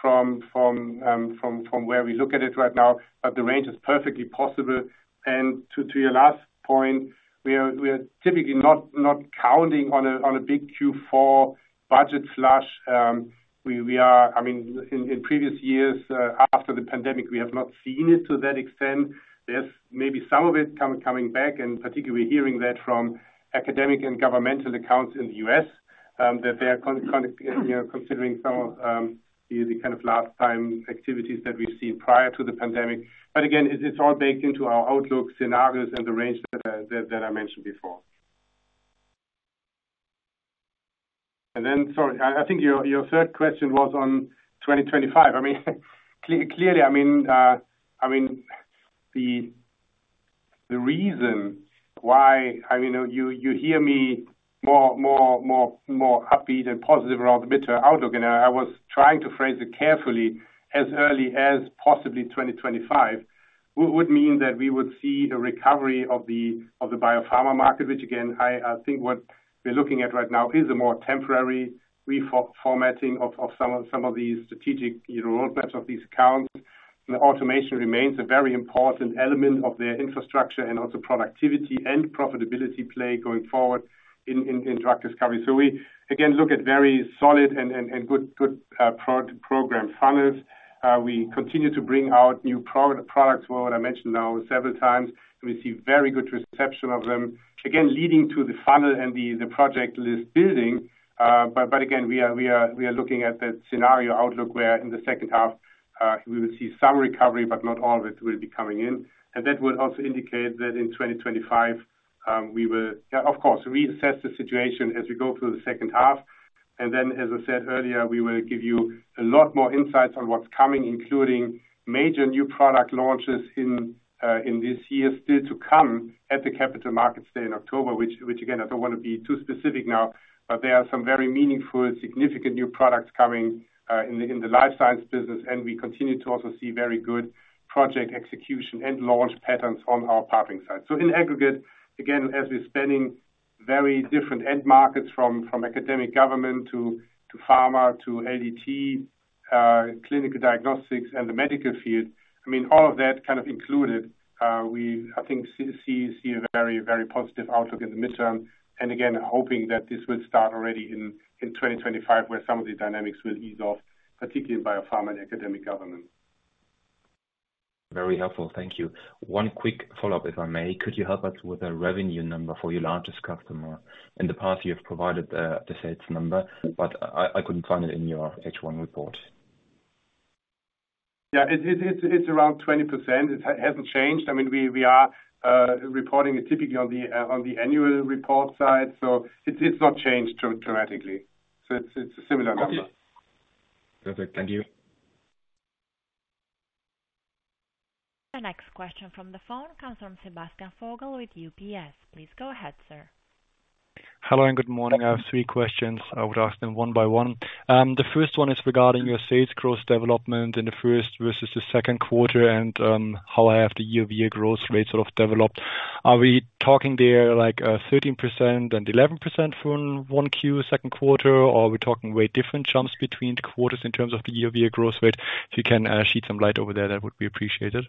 from, from, from, from where we look at it right now, but the range is perfectly possible. And to your last point, we are typically not counting on a big Q4 budget flush. We are—I mean, in previous years, after the pandemic, we have not seen it to that extent. There's maybe some of it coming back, and particularly hearing that from academic and governmental accounts in the U.S., that they are, you know, considering some of the kind of last time activities that we've seen prior to the pandemic. But again, it's all baked into our outlook scenarios and the range that I mentioned before. And then, sorry, I think your third question was on 2025. I mean, clearly, I mean, I mean, the reason why, I mean, you hear me more upbeat and positive around the mid-term outlook, and I was trying to phrase it carefully as early as possibly 2025, would mean that we would see a recovery of the biopharma market, which again, I think what we're looking at right now is a more temporary reformatting of some of the strategic, you know, roadmaps of these accounts. And automation remains a very important element of their infrastructure and also productivity and profitability play going forward in drug discovery. So we again look at very solid and good program funnels. We continue to bring out new products, what I mentioned now several times. We see very good reception of them, again, leading to the funnel and the project list building. But again, we are looking at that scenario outlook, where in the second half, we will see some recovery, but not all of it will be coming in. And that will also indicate that in 2025, of course, we will reassess the situation as we go through the second half. And then, as I said earlier, we will give you a lot more insights on what's coming, including major new product launches in this year, still to come at the Capital Markets Day in October, which, again, I don't want to be too specific now, but there are some very meaningful, significant new products coming in the life science business, and we continue to also see very good project execution and launch patterns on our partnering side. So in aggregate, again, as we're spanning very different end markets from academic government to pharma, to LDT, clinical diagnostics and the medical field, I mean, all of that kind of included, we, I think, see a very, very positive outlook in the midterm. Again, hoping that this will start already in 2025, where some of the dynamics will ease off, particularly in biopharma and academic government. Very helpful. Thank you. One quick follow-up, if I may. Could you help us with a revenue number for your largest customer? In the past, you have provided the sales number, but I couldn't find it in your H1 report. Yeah, it's around 20%. It hasn't changed. I mean, we are reporting it typically on the annual report side, so it's a similar number. Okay. Perfect. Thank you. The next question from the phone comes from Sebastian Vogel with UBS. Please go ahead, sir. Hello, and good morning. I have three questions. I would ask them one by one. The first one is regarding your sales growth development in the first versus the second quarter, and, how have the year-over-year growth rates sort of developed? Are we talking there, like, 13% and 11% from Q1, second quarter, or are we talking way different jumps between the quarters in terms of the year-over-year growth rate? If you can, shed some light over there, that would be appreciated.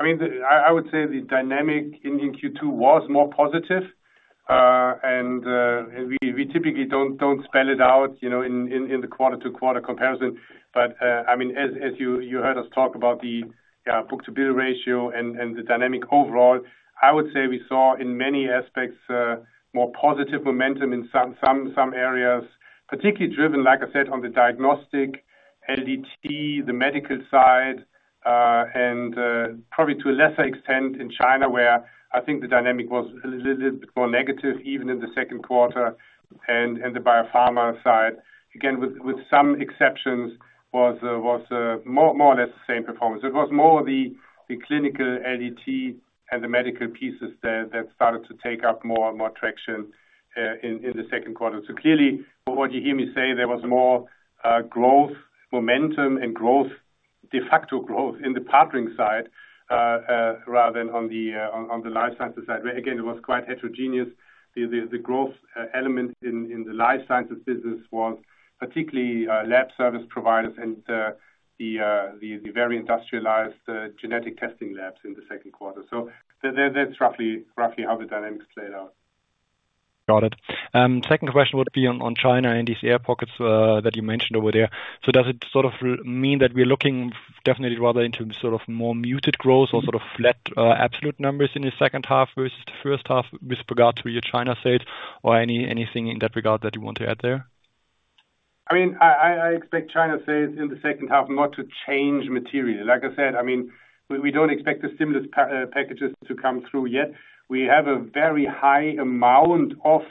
I mean, I would say the dynamic in Q2 was more positive. And we typically don't spell it out, you know, in the quarter-to-quarter comparison. But, I mean, as you heard us talk about the book-to-bill ratio and the dynamic overall, I would say we saw in many aspects more positive momentum in some areas, particularly driven, like I said, on the diagnostic, LDT, the medical side, and probably to a lesser extent in China, where I think the dynamic was a little bit more negative, even in the second quarter. And the biopharma side, again, with some exceptions, was more or less the same performance. It was more the clinical LDT and the medical pieces that started to take up more and more traction in the second quarter. So clearly, from what you hear me say, there was more growth, momentum and growth, de facto growth in the partnering side rather than on the life sciences side, where, again, it was quite heterogeneous. The growth element in the life sciences business was particularly lab service providers and the very industrialized genetic testing labs in the second quarter. So that, that's roughly, roughly how the dynamics played out. Got it. Second question would be on China and these air pockets that you mentioned over there. So does it sort of mean that we're looking definitely rather into sort of more muted growth or sort of flat absolute numbers in the second half versus the first half, with regard to your China sales, or anything in that regard that you want to add there? I mean, I expect China sales in the second half not to change materially. Like I said, I mean, we don't expect the stimulus packages to come through yet. We have a very high amount of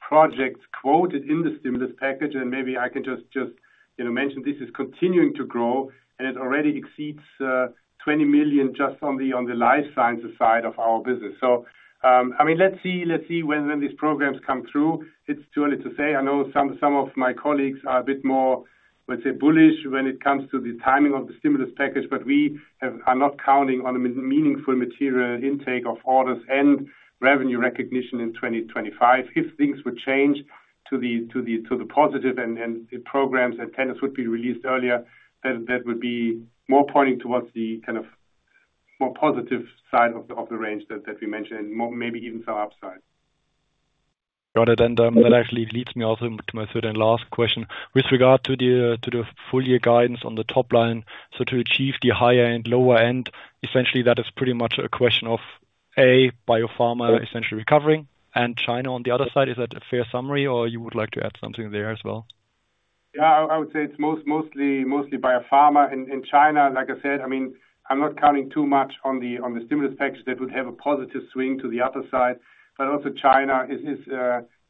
projects quoted in the stimulus package, and maybe I can just, you know, mention this is continuing to grow, and it already exceeds 20 million just on the life sciences side of our business. So, I mean, let's see when these programs come through. It's too early to say. I know some of my colleagues are a bit more, let's say, bullish when it comes to the timing of the stimulus package, but we are not counting on a meaningful material intake of orders and revenue recognition in 2025. If things would change to the positive and the programs and tenants would be released earlier, then that would be more pointing towards the kind of more positive side of the range that we mentioned, maybe even some upside. Got it. And, that actually leads me also to my third and last question. With regard to the full year guidance on the top line, so to achieve the higher end, lower end, essentially, that is pretty much a question of, A, biopharma essentially recovering, and China on the other side. Is that a fair summary, or you would like to add something there as well? Yeah, I would say it's mostly biopharma. In China, like I said, I mean, I'm not counting too much on the stimulus package that would have a positive swing to the other side. But also China is,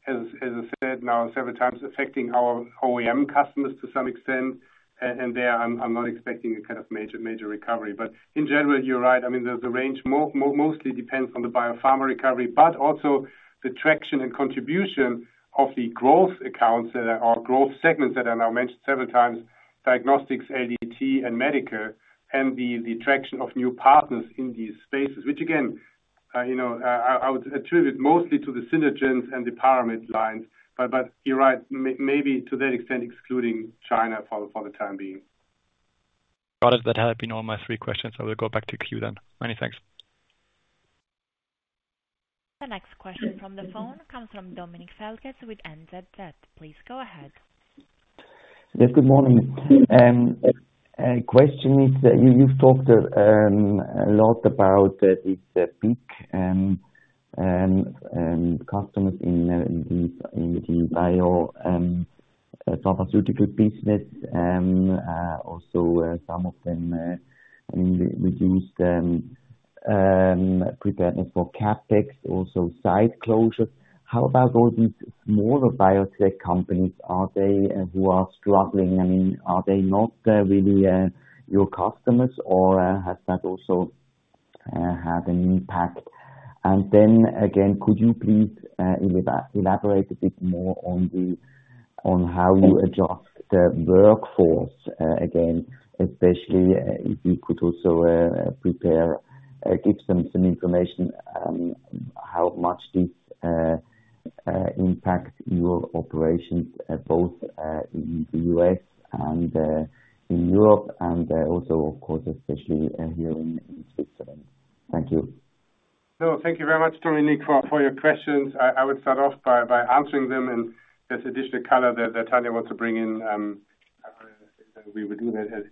as I said now several times, affecting our OEM customers to some extent, and there I'm not expecting a kind of major recovery. But in general, you're right. I mean, the range mostly depends on the biopharma recovery, but also the traction and contribution of the growth accounts that are, or growth segments that I now mentioned several times, diagnostics, LDT, and medical, and the traction of new partners in these spaces. Which again, you know, I would attribute mostly to the Synergence and the Paramit lines. But you're right, maybe to that extent, excluding China for the time being. Got it. That had been all my three questions. I will go back to queue then. Many thanks. The next question from the phone comes from Dominik Feldges with NZZ. Please go ahead. Yes, good morning. A question is that you, you've talked a lot about the big customers in the biopharmaceutical business, some of them, I mean, reduced preparedness for CapEx, also site closures. How about all these smaller biotech companies? Are they who are struggling, I mean, are they not really your customers, or has that also had an impact? And then again, could you please elaborate a bit more on how you adjust the workforce, again, especially if you could also provide some information on how much this impacts your operations, both in the U.S. and in Europe and also, of course, especially here in Switzerland. Thank you. So thank you very much, Dominic, for your questions. I would start off by answering them, and there's additional color that Tania want to bring in, we will do that in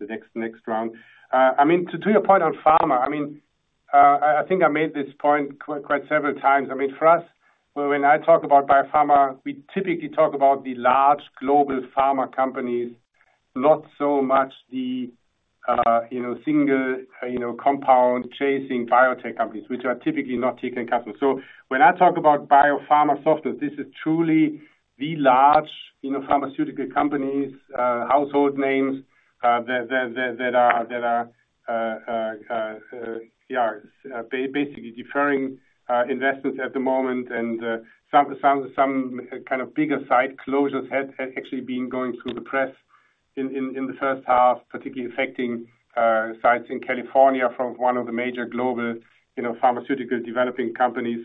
the next round. I mean, to your point on pharma, I mean, I think I made this point quite several times. I mean, for us, when I talk about biopharma, we typically talk about the large global pharma companies, not so much the you know, single you know, compound-chasing biotech companies, which are typically not Tecan companies. So when I talk about biopharma software, this is truly the large you know, pharmaceutical companies, household names that are basically deferring investments at the moment. Some kind of bigger site closures had actually been going through the press in the first half, particularly affecting sites in California from one of the major global, you know, pharmaceutical developing companies.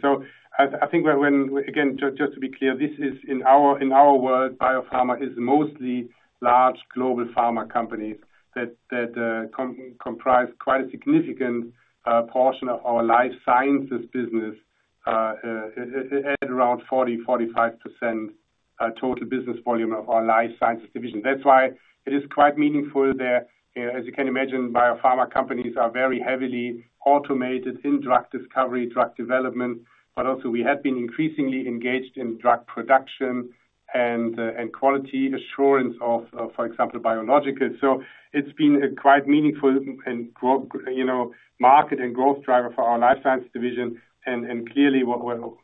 I think when... Again, just to be clear, this is in our world, biopharma is mostly large global pharma companies that comprise quite a significant portion of our life sciences business at around 40-45% total business volume of our life sciences division. That's why it is quite meaningful that, as you can imagine, biopharma companies are very heavily automated in drug discovery, drug development, but also we have been increasingly engaged in drug production and quality assurance of, for example, biological. So it's been a quite meaningful and grow, you know, market and growth driver for our life sciences division. And clearly, what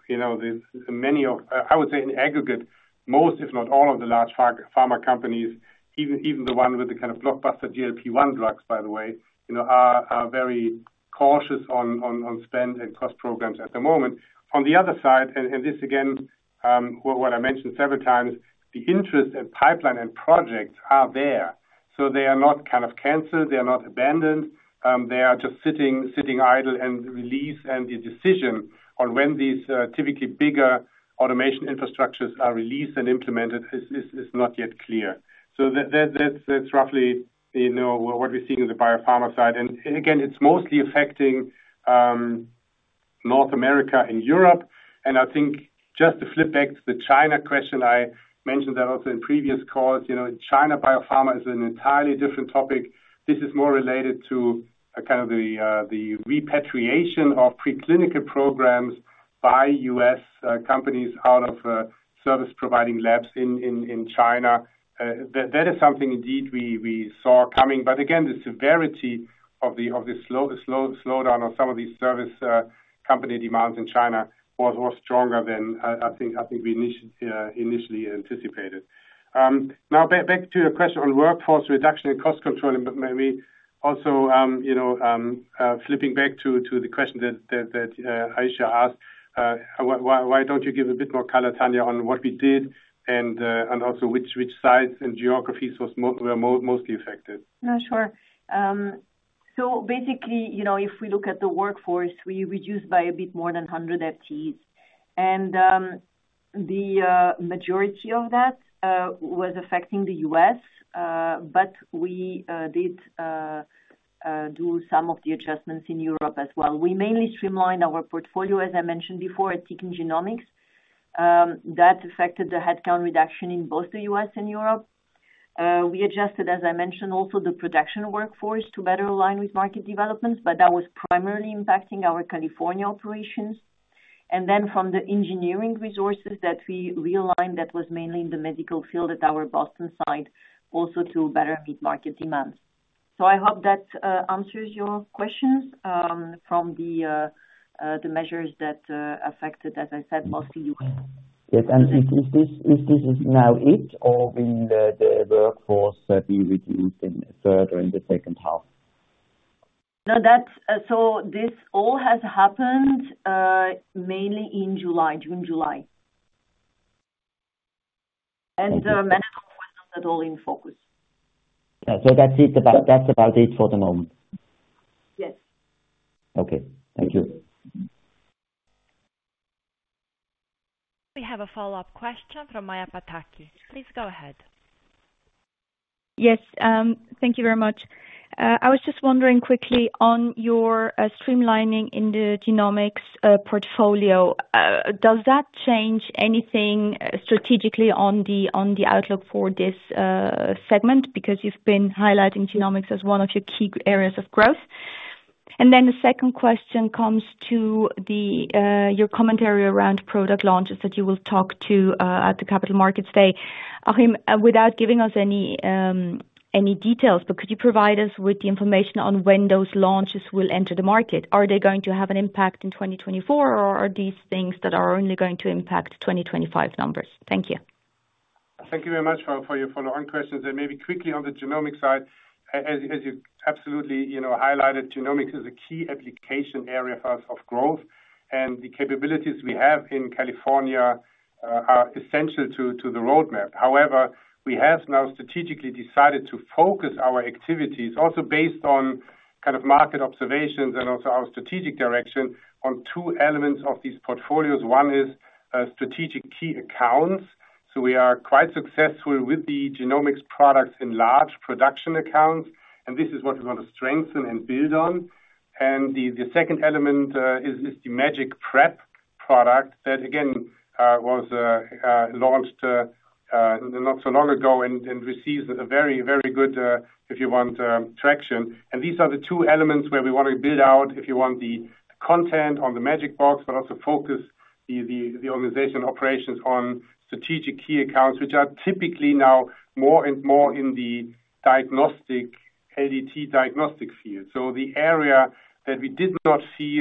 you know, many of, I would say in aggregate, most, if not all, of the large pharma companies, even the one with the kind of blockbuster GLP-1 drugs, by the way, you know, are very cautious on, on spend and cost programs at the moment. On the other side, and this again, what I mentioned several times, the interest and pipeline and projects are there. So they are not kind of canceled, they are not abandoned, they are just sitting idle and release, and the decision on when these typically bigger automation infrastructures are released and implemented is not yet clear. So that's roughly, you know, what we're seeing in the biopharma side. And again, it's mostly affecting North America and Europe. And I think just to flip back to the China question, I mentioned that also in previous calls, you know, China biopharma is an entirely different topic. This is more related to kind of the repatriation of preclinical programs by U.S. companies out of service-providing labs in China. That is something indeed we saw coming. But again, the severity of the slowdown on some of these service company demands in China was stronger than I think we initially anticipated. Now back to your question on workforce reduction and cost control, and maybe also, you know, flipping back to the question that Aisyah asked. Why don't you give a bit more color, Tania, on what we did and also which sites and geographies were mostly affected? Yeah, sure. So basically, you know, if we look at the workforce, we reduced by a bit more than 100 FTEs. The majority of that was affecting the U.S., but we did do some of the adjustments in Europe as well. We mainly streamlined our portfolio, as I mentioned before, at Tecan Genomics. That affected the headcount reduction in both the U.S. and Europe. We adjusted, as I mentioned, also the production workforce to better align with market developments, but that was primarily impacting our California operations. And then from the engineering resources that we realigned, that was mainly in the medical field at our Boston site, also to better meet market demands. So I hope that answers your questions from the measures that affected, as I said, mostly U.S. Yes, and is this now it, or will the workforce be reduced further in the second half? No, that's... so this all has happened mainly in July, June, July. And the management was done that all in focus. Yeah. So that's it about, that's about it for the moment? Yes. Okay. Thank you. We have a follow-up question from Maja Pataki. Please go ahead. Yes, thank you very much. I was just wondering quickly on your streamlining in the genomics portfolio, does that change anything strategically on the outlook for this segment? Because you've been highlighting genomics as one of your key areas of growth. And then the second question comes to your commentary around product launches that you will talk to at the Capital Markets Day. Achim, without giving us any details, but could you provide us with the information on when those launches will enter the market? Are they going to have an impact in 2024, or are these things that are only going to impact 2025 numbers? Thank you. Thank you very much for your follow-on questions. And maybe quickly on the genomics side, as you absolutely, you know, highlighted, genomics is a key application area for us of growth, and the capabilities we have in California are essential to the roadmap. However, we have now strategically decided to focus our activities, also based on kind of market observations and also our strategic direction on two elements of these portfolios. One is strategic key accounts. So we are quite successful with the genomics products in large production accounts, and this is what we want to strengthen and build on. And the second element is the MagicPrep product that again was launched not so long ago and receives a very, very good, if you want, traction. These are the two elements where we want to build out, if you want the content on the Magic Box, but also focus the organization operations on strategic key accounts, which are typically now more and more in the diagnostic, ADT diagnostic field. So the area that we did not see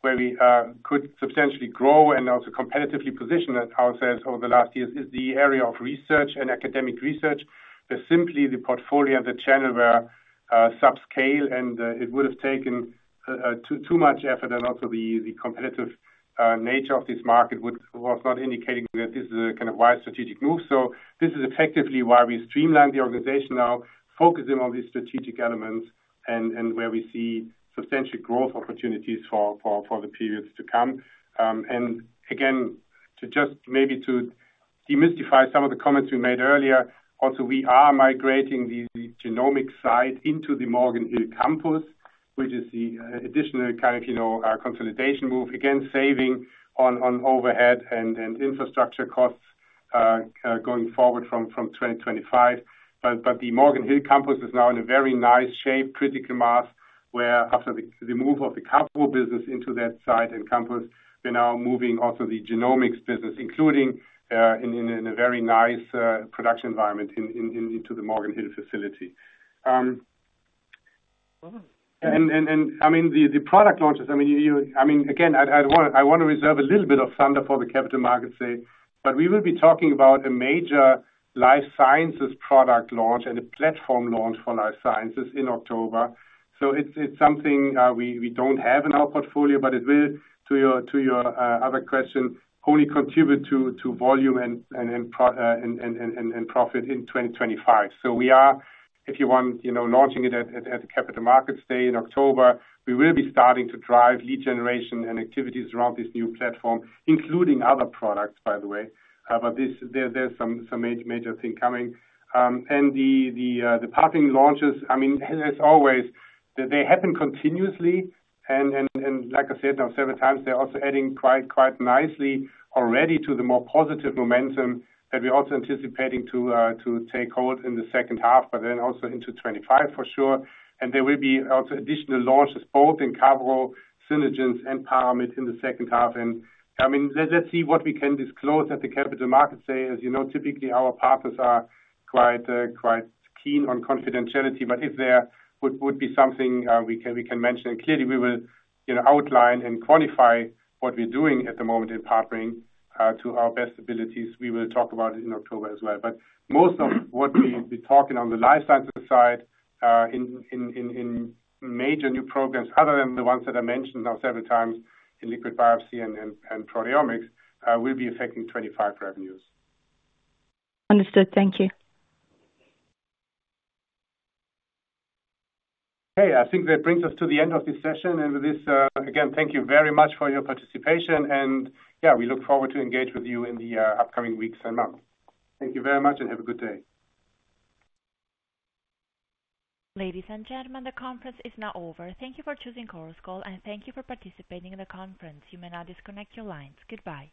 where we could substantially grow and also competitively position ourselves over the last years is the area of research and academic research. But simply the portfolio, the channel, where subscale and it would have taken too much effort and also the competitive nature of this market was not indicating that this is a kind of wide strategic move. So this is effectively why we streamlined the organization, now focusing on these strategic elements and where we see substantial growth opportunities for the periods to come. And again, to just maybe demystify some of the comments we made earlier, also, we are migrating the genomics side into the Morgan Hill campus, which is the additional kind of, you know, consolidation move. Again, saving on overhead and infrastructure costs, going forward from 2025. But the Morgan Hill campus is now in a very nice shape, critical mass, where after the move of the capital business into that site and campus, we're now moving also the genomics business, including in a very nice production environment into the Morgan Hill facility. I mean, the product launches, I mean, you... I mean, again, I want to reserve a little bit of thunder for the Capital Markets Day, but we will be talking about a major life sciences product launch and a platform launch for life sciences in October. So it's something we don't have in our portfolio, but it will, to your other question, only contribute to volume and profit in 2025. So we are, if you want, you know, launching it at the Capital Markets Day in October. We will be starting to drive lead generation and activities around this new platform, including other products, by the way. But this, there's some major thing coming. And the partnering launches, I mean, as always, they happen continuously and like I said, now several times, they're also adding quite nicely already to the more positive momentum that we're also anticipating to take hold in the second half, but then also into 2025, for sure. And there will be also additional launches, both in Carbo, Synergence and Paramit in the second half. And I mean, let's see what we can disclose at the Capital Markets Day. As you know, typically, our partners are quite keen on confidentiality, but if there would be something we can mention, and clearly we will, you know, outline and quantify what we're doing at the moment in partnering to our best abilities. We will talk about it in October as well. But most of what we'll be talking on the life sciences side in major new programs, other than the ones that I mentioned now several times in liquid biopsy and proteomics, will be affecting 2025 revenues. Understood. Thank you. Okay, I think that brings us to the end of this session. With this, again, thank you very much for your participation and yeah, we look forward to engage with you in the upcoming weeks and months. Thank you very much, and have a good day. Ladies and gentlemen, the conference is now over. Thank you for choosing Chorus Call, and thank you for participating in the conference. You may now disconnect your lines. Goodbye.